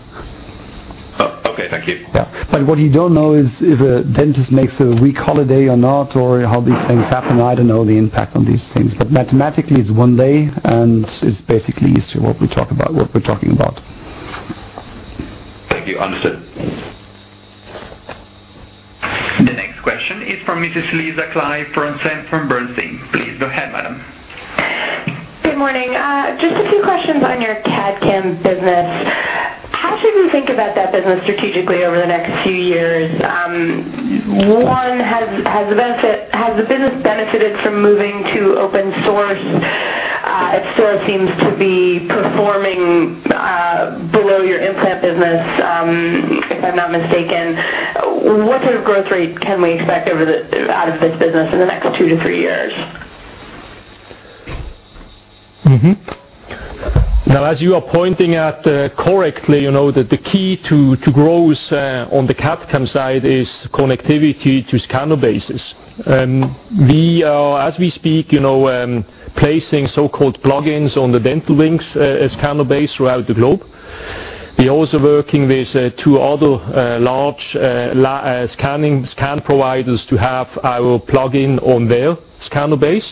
Oh, okay. Thank you. Yeah. What you don't know is if a dentist makes a week holiday or not, or how these things happen. I don't know the impact on these things. Mathematically, it's one day, and it's basically Easter, what we're talking about. Thank you. Understood. The next question is from Mrs. Lisa Clive from Bernstein. Please go ahead, madam. Good morning. Just a few questions on your CAD/CAM business. How should we think about that business strategically over the next few years? One, has the business benefited from moving to open source? It still seems to be performing below your implant business, if I'm not mistaken. What sort of growth rate can we expect out of this business in the next two to three years? Mm-hmm. As you are pointing out correctly, the key to growth on the CAD/CAM side is connectivity to scanner bases. As we speak, placing so-called plugins on the Dental Wings scanner base throughout the globe. We are also working with two other large scan providers to have our plugin on their scanner base.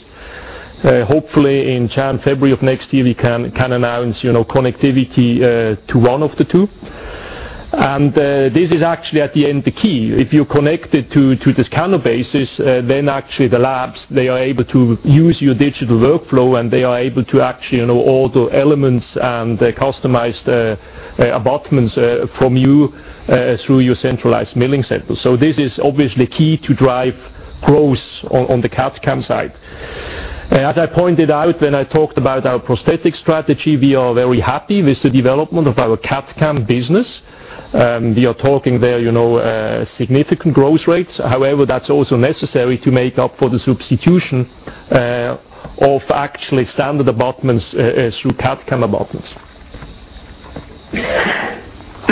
Hopefully, in February of next year, we can announce connectivity to one of the two. This is actually, at the end, the key. If you are connected to the scanner bases, actually the labs, they are able to use your digital workflow, and they are able to actually order elements and customized abutments from you through your centralized milling center. This is obviously key to drive growth on the CAD/CAM side. As I pointed out when I talked about our prosthetic strategy, we are very happy with the development of our CAD/CAM business. We are talking there significant growth rates. However, that is also necessary to make up for the substitution of actually standard abutments through CAD/CAM abutments.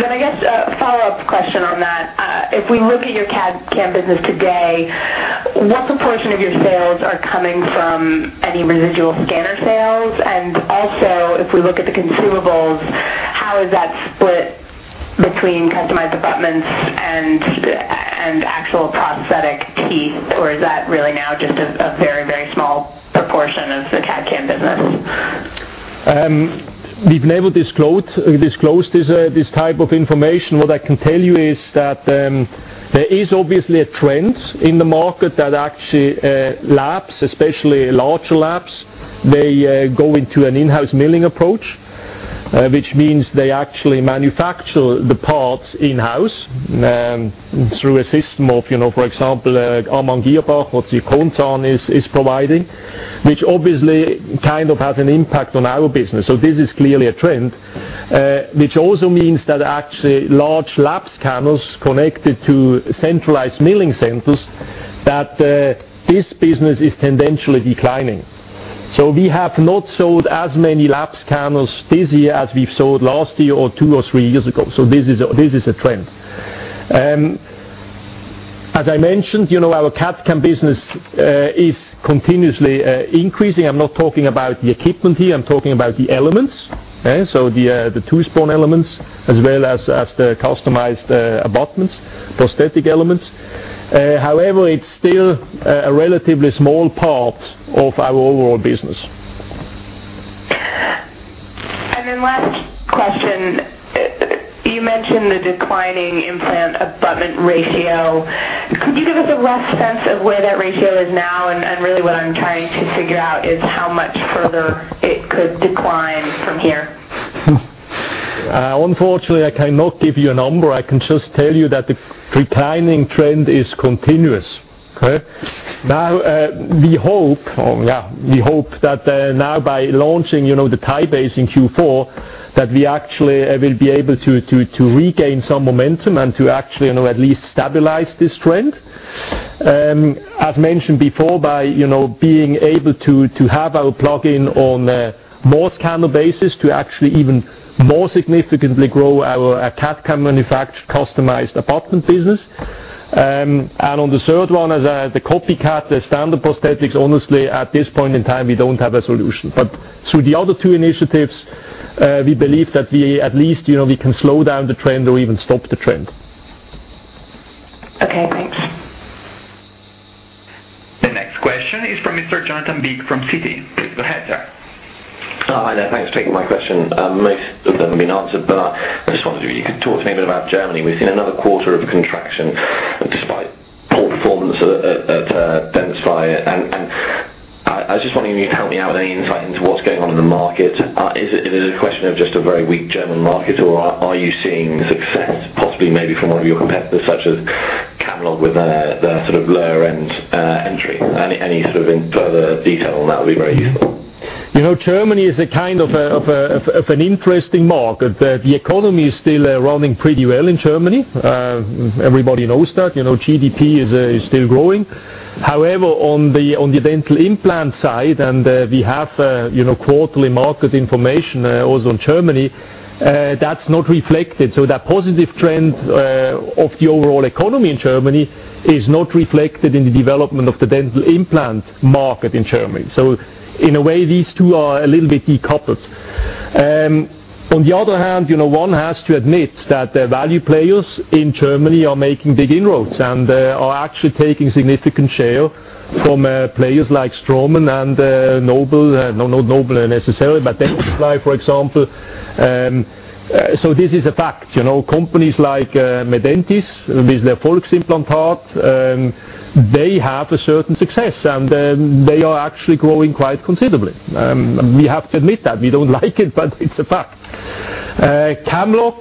I guess a follow-up question on that. If we look at your CAD/CAM business today, what proportion of your sales are coming from any residual scanner sales? If we look at the consumables, how is that split between customized abutments and actual prosthetic teeth, or is that really now just a very small proportion of the CAD/CAM business? We have never disclosed this type of information. What I can tell you is that there is obviously a trend in the market that actually labs, especially larger labs, they go into an in-house milling approach, which means they actually manufacture the parts in-house through a system of, for example, Amann Girrbach, what your Sitron is providing, which obviously has an impact on our business. This is clearly a trend, which also means that actually large lab scanners connected to centralized milling centers, that this business is tendentially declining. We have not sold as many lab scanners this year as we have sold last year or two or three years ago. This is a trend. As I mentioned, our CAD/CAM business is continuously increasing. I am not talking about the equipment here, I am talking about the elements. The tooth-borne elements, as well as the customized abutments, prosthetic elements. However, it's still a relatively small part of our overall business. Last question, you mentioned the declining implant abutment ratio. Could you give us a rough sense of where that ratio is now? Really what I'm trying to figure out is how much further it could decline from here. Unfortunately, I cannot give you a number. I can just tell you that the declining trend is continuous. Okay. Now we hope that by launching the Ti-Base in Q4, that we actually will be able to regain some momentum and to actually at least stabilize this trend. As mentioned before, by being able to have our plugin on a more scanner basis to actually even more significantly grow our CAD/CAM manufactured customized abutment business. On the third one, the copycat, the standard prosthetics, honestly, at this point in time, we don't have a solution. Through the other two initiatives, we believe that we at least can slow down the trend or even stop the trend. Okay, thanks. The next question is from Mr. Jonathan Beake from Citi. Please go ahead, sir. Hi there. Thanks for taking my question. Most of them have been answered, but I just wondered if you could talk to me a bit about Germany. We've seen another quarter of a contraction despite poor performance at Dentsply. I was just wondering if you could help me out with any insight into what's going on in the market. Is it a question of just a very weak German market, or are you seeing success possibly maybe from one of your competitors, such as Camlog with their sort of lower-end entry? Any sort of further detail on that would be very useful. Germany is a kind of an interesting market. The economy is still running pretty well in Germany. Everybody knows that. GDP is still growing. However, on the dental implant side, and we have quarterly market information also on Germany, that's not reflected. That positive trend of the overall economy in Germany is not reflected in the development of the dental implant market in Germany. In a way, these two are a little bit decoupled. On the other hand, one has to admit that the value players in Germany are making big inroads and are actually taking significant share from players like Straumann and Nobel. Not Nobel necessarily, but Dentsply, for example. This is a fact. Companies like Medentis, with their Volksimplantat, they have a certain success, and they are actually growing quite considerably. We have to admit that. We don't like it, but it's a fact. Camlog.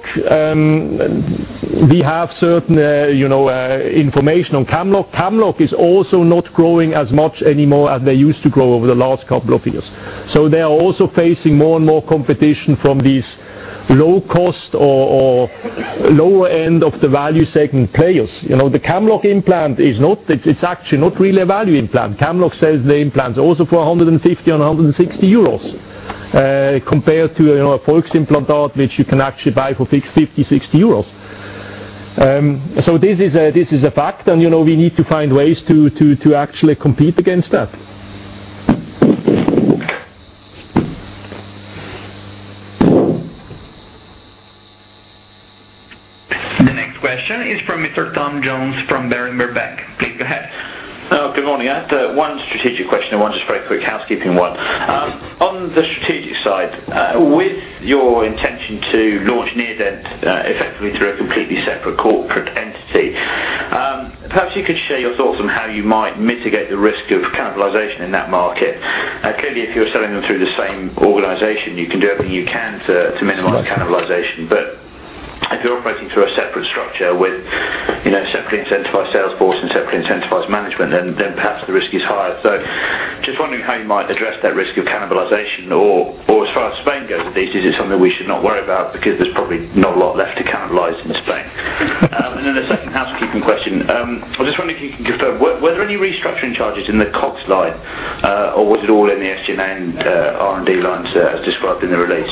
We have certain information on Camlog. Camlog is also not growing as much anymore as they used to grow over the last couple of years. They are also facing more and more competition from these low-cost or lower-end of the value segment players. The Camlog implant is actually not really a value implant. Camlog sells the implants also for 150 and 160 euros, compared to a Volksimplantat, which you can actually buy for 50, 60 euros. This is a fact, and we need to find ways to actually compete against that. The next question is from Mr. Tom Jones from Berenberg Bank. Please go ahead. Good morning. I had one strategic question and one just very quick housekeeping one. On the strategic side, with your intention to launch Neodent effectively through a completely separate corporate entity, perhaps you could share your thoughts on how you might mitigate the risk of cannibalization in that market. Clearly, if you're selling them through the same organization, you can do everything you can to minimize cannibalization. If you're operating through a separate structure with separately incentivized sales force and separately incentivized management, then perhaps the risk is higher. Just wondering how you might address that risk of cannibalization. As far as Spain goes with this, is it something we should not worry about because there's probably not a lot left to cannibalize in Spain? The second housekeeping question, I'm just wondering if you can confirm, were there any restructuring charges in the COGS line, was it all in the SG&A and R&D lines as described in the release?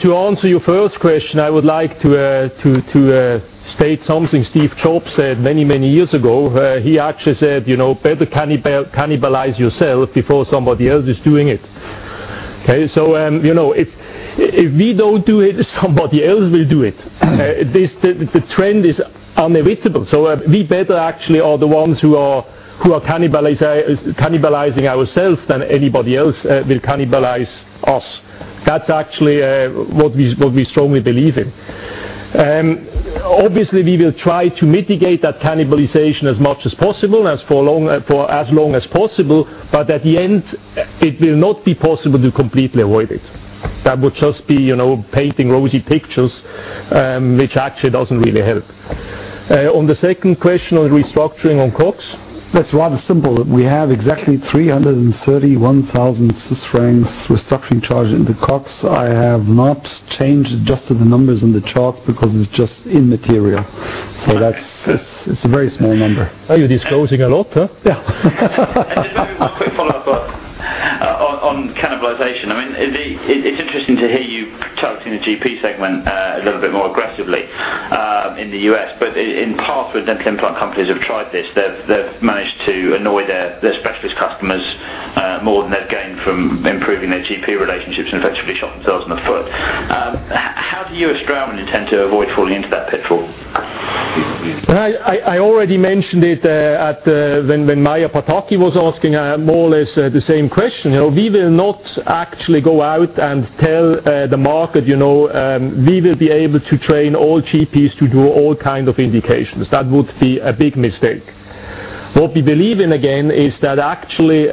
To answer your first question, I would like to state something Steve Jobs said many, many years ago. He actually said, "Better cannibalize yourself before somebody else is doing it." Okay. If we don't do it, somebody else will do it. The trend is inevitable. We better actually are the ones who are cannibalizing ourselves than anybody else will cannibalize us. That's actually what we strongly believe in. Obviously, we will try to mitigate that cannibalization as much as possible and for as long as possible, but at the end, it will not be possible to completely avoid it. That would just be painting rosy pictures, which actually doesn't really help. On the second question on restructuring on COGS. That is rather simple. We have exactly 331,000 francs restructuring charge in the COGS. I have not changed, adjusted the numbers in the chart because it is just immaterial. That is a very small number. Are you disclosing a lot, huh? Yeah. A quick follow-up on cannibalization. I mean, it is interesting to hear you targeting the GP segment a little bit more aggressively in the U.S., in the past, dental implant companies have tried this. They have managed to annoy their specialist customers more than they have gained from improving their GP relationships and effectively shot themselves in the foot. How do you at Straumann intend to avoid falling into that pitfall? I already mentioned it when Maja Pataki was asking more or less the same question. We will not actually go out and tell the market, we will be able to train all GPs to do all kind of indications. That would be a big mistake. What we believe in, again, is that actually,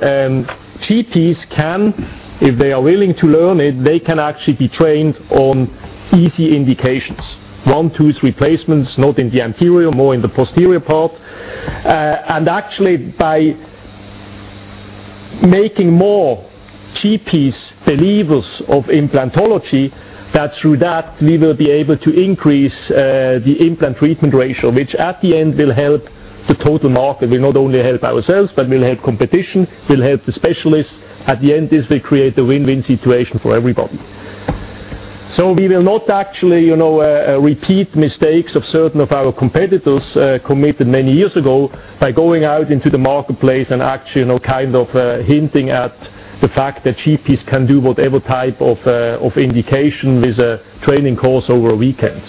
GPs can, if they are willing to learn it, they can actually be trained on easy indications. One tooth replacements, not in the anterior, more in the posterior part. Actually, by making more GPs believers of implantology, that through that we will be able to increase the implant treatment ratio, which at the end will help the total market. We not only help ourselves, but we'll help competition, we'll help the specialists. At the end, this will create a win-win situation for everybody. We will not actually repeat mistakes of certain of our competitors committed many years ago by going out into the marketplace and actually hinting at the fact that GPs can do whatever type of indication with a training course over a weekend.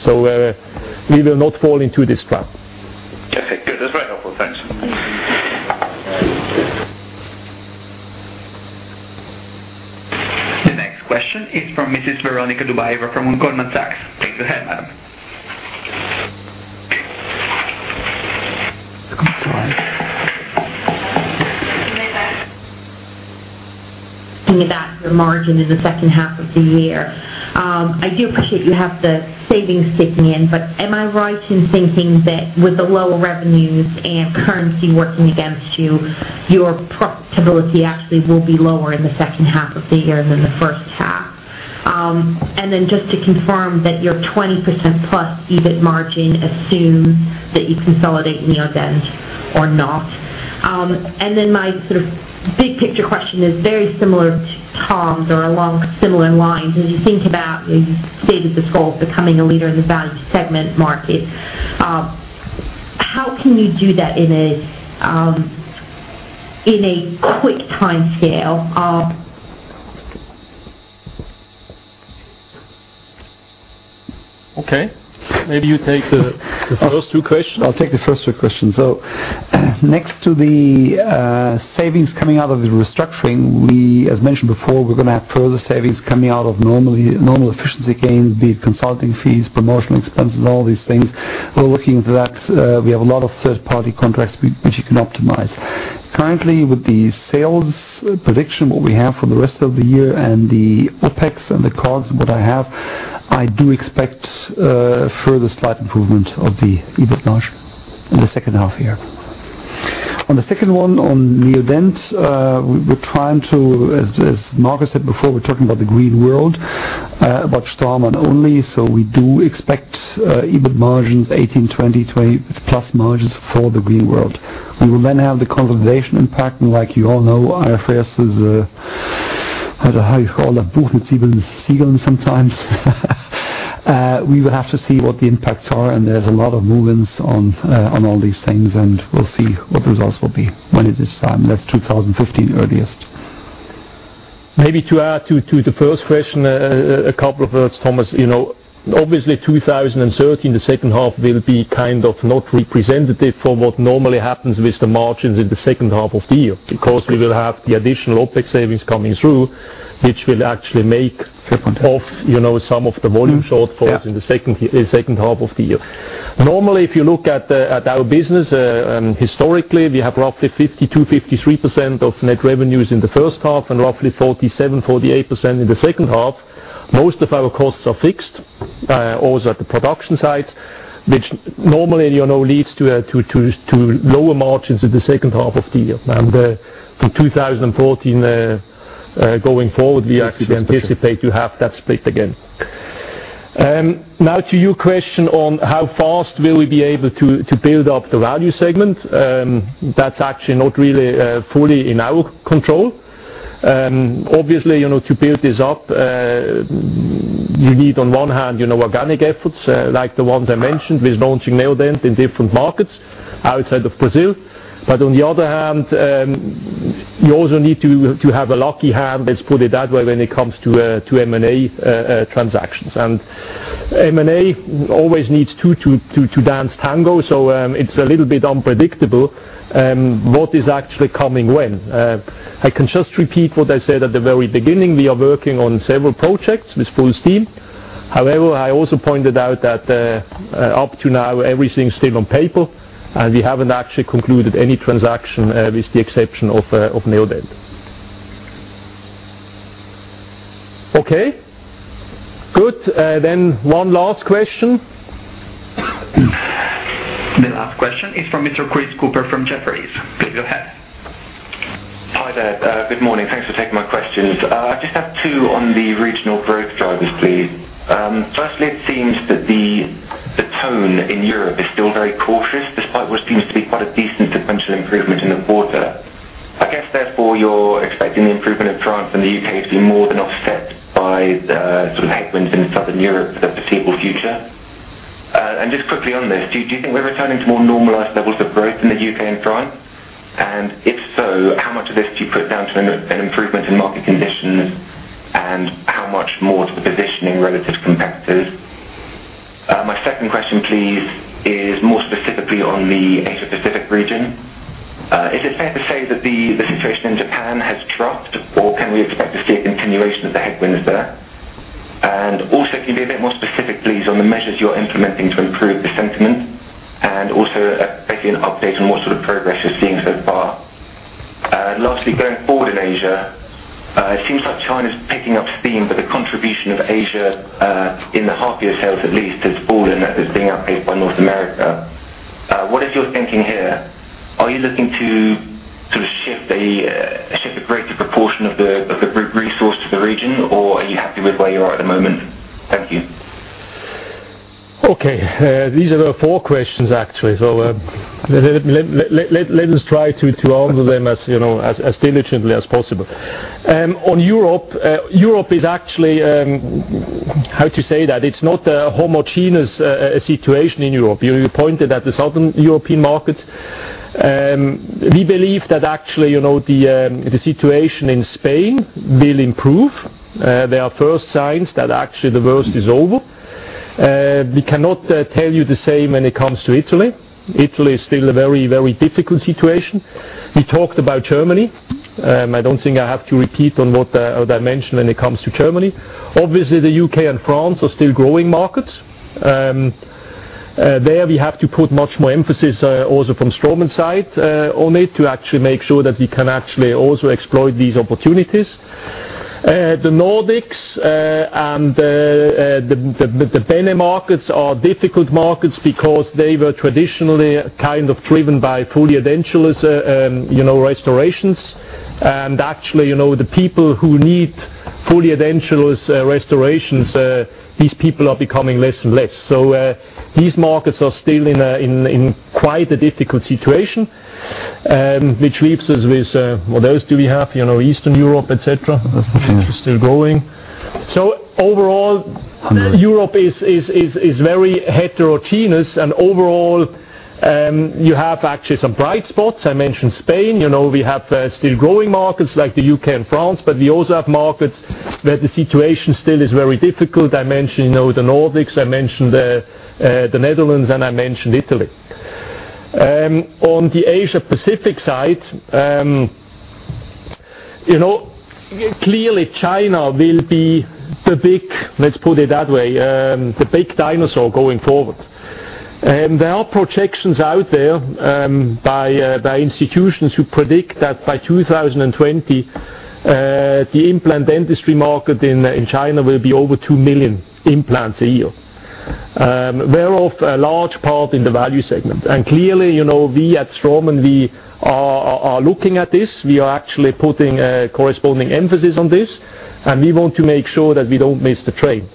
We will not fall into this trap. Okay, good. That's very helpful. Thanks. The next question is from Mrs. Veronika Dubajova from Goldman Sachs. Please go ahead, madam. Goldman Sachs. Thinking about your margin in the second half of the year. I do appreciate you have the savings kicking in, but am I right in thinking that with the lower revenues and currency working against you, your profitability actually will be lower in the second half of the year than the first half? Just to confirm that your 20% plus EBIT margin assumes that you consolidate Neodent or not. My sort of big picture question is very similar to Tom's or along similar lines. As you think about, as you stated this goal of becoming a leader in the value segment market, how can you do that in a quick timescale? Okay. Maybe you take the first two questions. I'll take the first two questions. Next to the savings coming out of the restructuring, we, as mentioned before, we're going to have further savings coming out of normal efficiency gains, be it consulting fees, promotional expenses, all these things. We're looking into that. We have a lot of third-party contracts which you can optimize. Currently, with the sales prediction, what we have for the rest of the year, and the OpEx and the costs and what I have, I do expect a further slight improvement of the EBIT margin in the second half year. On the second one, on Neodent, we're trying to, as Marco said before, we're talking about the green world, about Straumann only. We do expect EBIT margins 18%, 20%, 20% plus margins for the green world. We will have the consolidation impact. Like you all know, IFRS is, we will have to see what the impacts are, and there's a lot of movements on all these things, and we'll see what the results will be when it is time. That's 2015 earliest. Maybe to add to the first question, a couple of words, Thomas. Obviously 2013, the second half will be not representative for what normally happens with the margins in the second half of the year, because we will have the additional OpEx savings coming through, which will actually make- Off off some of the volume shortfalls in the second half of the year. Normally, if you look at our business, historically, we have roughly 52%-53% of net revenues in the first half and roughly 47%-48% in the second half. Most of our costs are fixed, also at the production sites, which normally leads to lower margins in the second half of the year. From 2014 going forward, we actually anticipate to have that split again. To your question on how fast will we be able to build up the value segment. That's actually not really fully in our control. Obviously, to build this up, you need, on one hand, organic efforts, like the ones I mentioned, with launching Neodent in different markets outside of Brazil, but on the other hand, you also need to have a lucky hand, let's put it that way, when it comes to M&A transactions. M&A always needs two to dance tango, so it's a little bit unpredictable what is actually coming when. I can just repeat what I said at the very beginning. We are working on several projects with full steam. However, I also pointed out that up to now, everything's still on paper, and we haven't actually concluded any transaction, with the exception of Neodent. Okay. Good. One last question. The last question is from Mr. Chris Cooper from Jefferies. Please go ahead. Hi there. Good morning. Thanks for taking my questions. I just have two on the regional growth drivers, please. Firstly, it seems that the tone in Europe is still very cautious, despite what seems to be quite a decent sequential improvement in the quarter. I guess, therefore, you're expecting the improvement in France and the U.K. to be more than offset by sort of headwinds in Southern Europe for the foreseeable future? Just quickly on this, do you think we're returning to more normalized levels of growth in the U.K. and France? If so, how much of this do you put down to an improvement in market conditions, and how much more to the positioning relative to competitors? My second question please is more specifically on the Asia-Pacific region. Is it fair to say that the situation in Japan has dropped, or can we expect to see a continuation of the headwinds there? Also, can you be a bit more specific please on the measures you're implementing to improve the sentiment? Also, if I can get an update on what sort of progress you're seeing so far. Lastly, going forward in Asia, it seems like China's picking up steam, the contribution of Asia, in the half-year sales at least, has fallen as it's being outpaced by North America. What is your thinking here? Are you looking to shift a greater proportion of the resource to the region, or are you happy with where you are at the moment? Thank you. Okay. These are the four questions, actually. Let us try to answer them as diligently as possible. On Europe is actually, how to say that, it's not a homogeneous situation in Europe. You pointed at the Southern European markets. We believe that actually, the situation in Spain will improve. There are first signs that actually the worst is over. We cannot tell you the same when it comes to Italy. Italy is still a very difficult situation. We talked about Germany. I don't think I have to repeat on what I mentioned when it comes to Germany. Obviously, the U.K. and France are still growing markets. There we have to put much more emphasis also from Straumann side on it to actually make sure that we can actually also exploit these opportunities. The Nordics and the BeNe markets are difficult markets because they were traditionally driven by fully edentulous restorations. Actually, the people who need fully edentulous restorations, these people are becoming less and less. These markets are still in quite a difficult situation, which leaves us with, what else do we have? Eastern Europe, et cetera. still growing. Overall, Europe is very heterogeneous, and overall, you have actually some bright spots. I mentioned Spain. We have still growing markets, like the U.K. and France, but we also have markets where the situation still is very difficult. I mentioned the Nordics, I mentioned the Netherlands, and I mentioned Italy. On the Asia-Pacific side, clearly China will be, let's put it that way, the big dinosaur going forward. There are projections out there by institutions who predict that by 2020, the implant industry market in China will be over 2 million implants a year. Whereof a large part in the value segment. Clearly, we at Straumann, we are looking at this. We are actually putting a corresponding emphasis on this, and we want to make sure that we don't miss the train.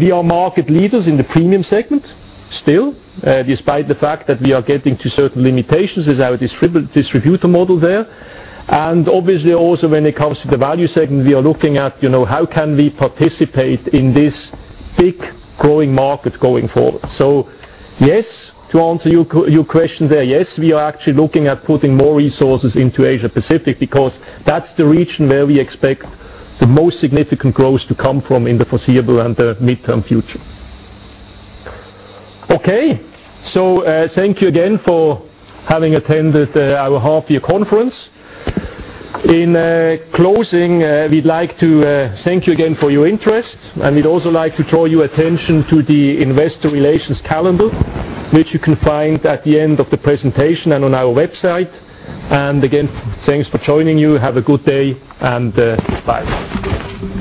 We are market leaders in the premium segment still, despite the fact that we are getting to certain limitations with our distributor model there. Obviously also when it comes to the value segment, we are looking at how can we participate in this big growing market going forward. Yes, to answer your question there, yes, we are actually looking at putting more resources into Asia-Pacific because that's the region where we expect the most significant growth to come from in the foreseeable and the midterm future. Okay, thank you again for having attended our half-year conference. In closing, we'd like to thank you again for your interest, and we'd also like to draw your attention to the investor relations calendar, which you can find at the end of the presentation and on our website. Again, thanks for joining. You have a good day, and bye.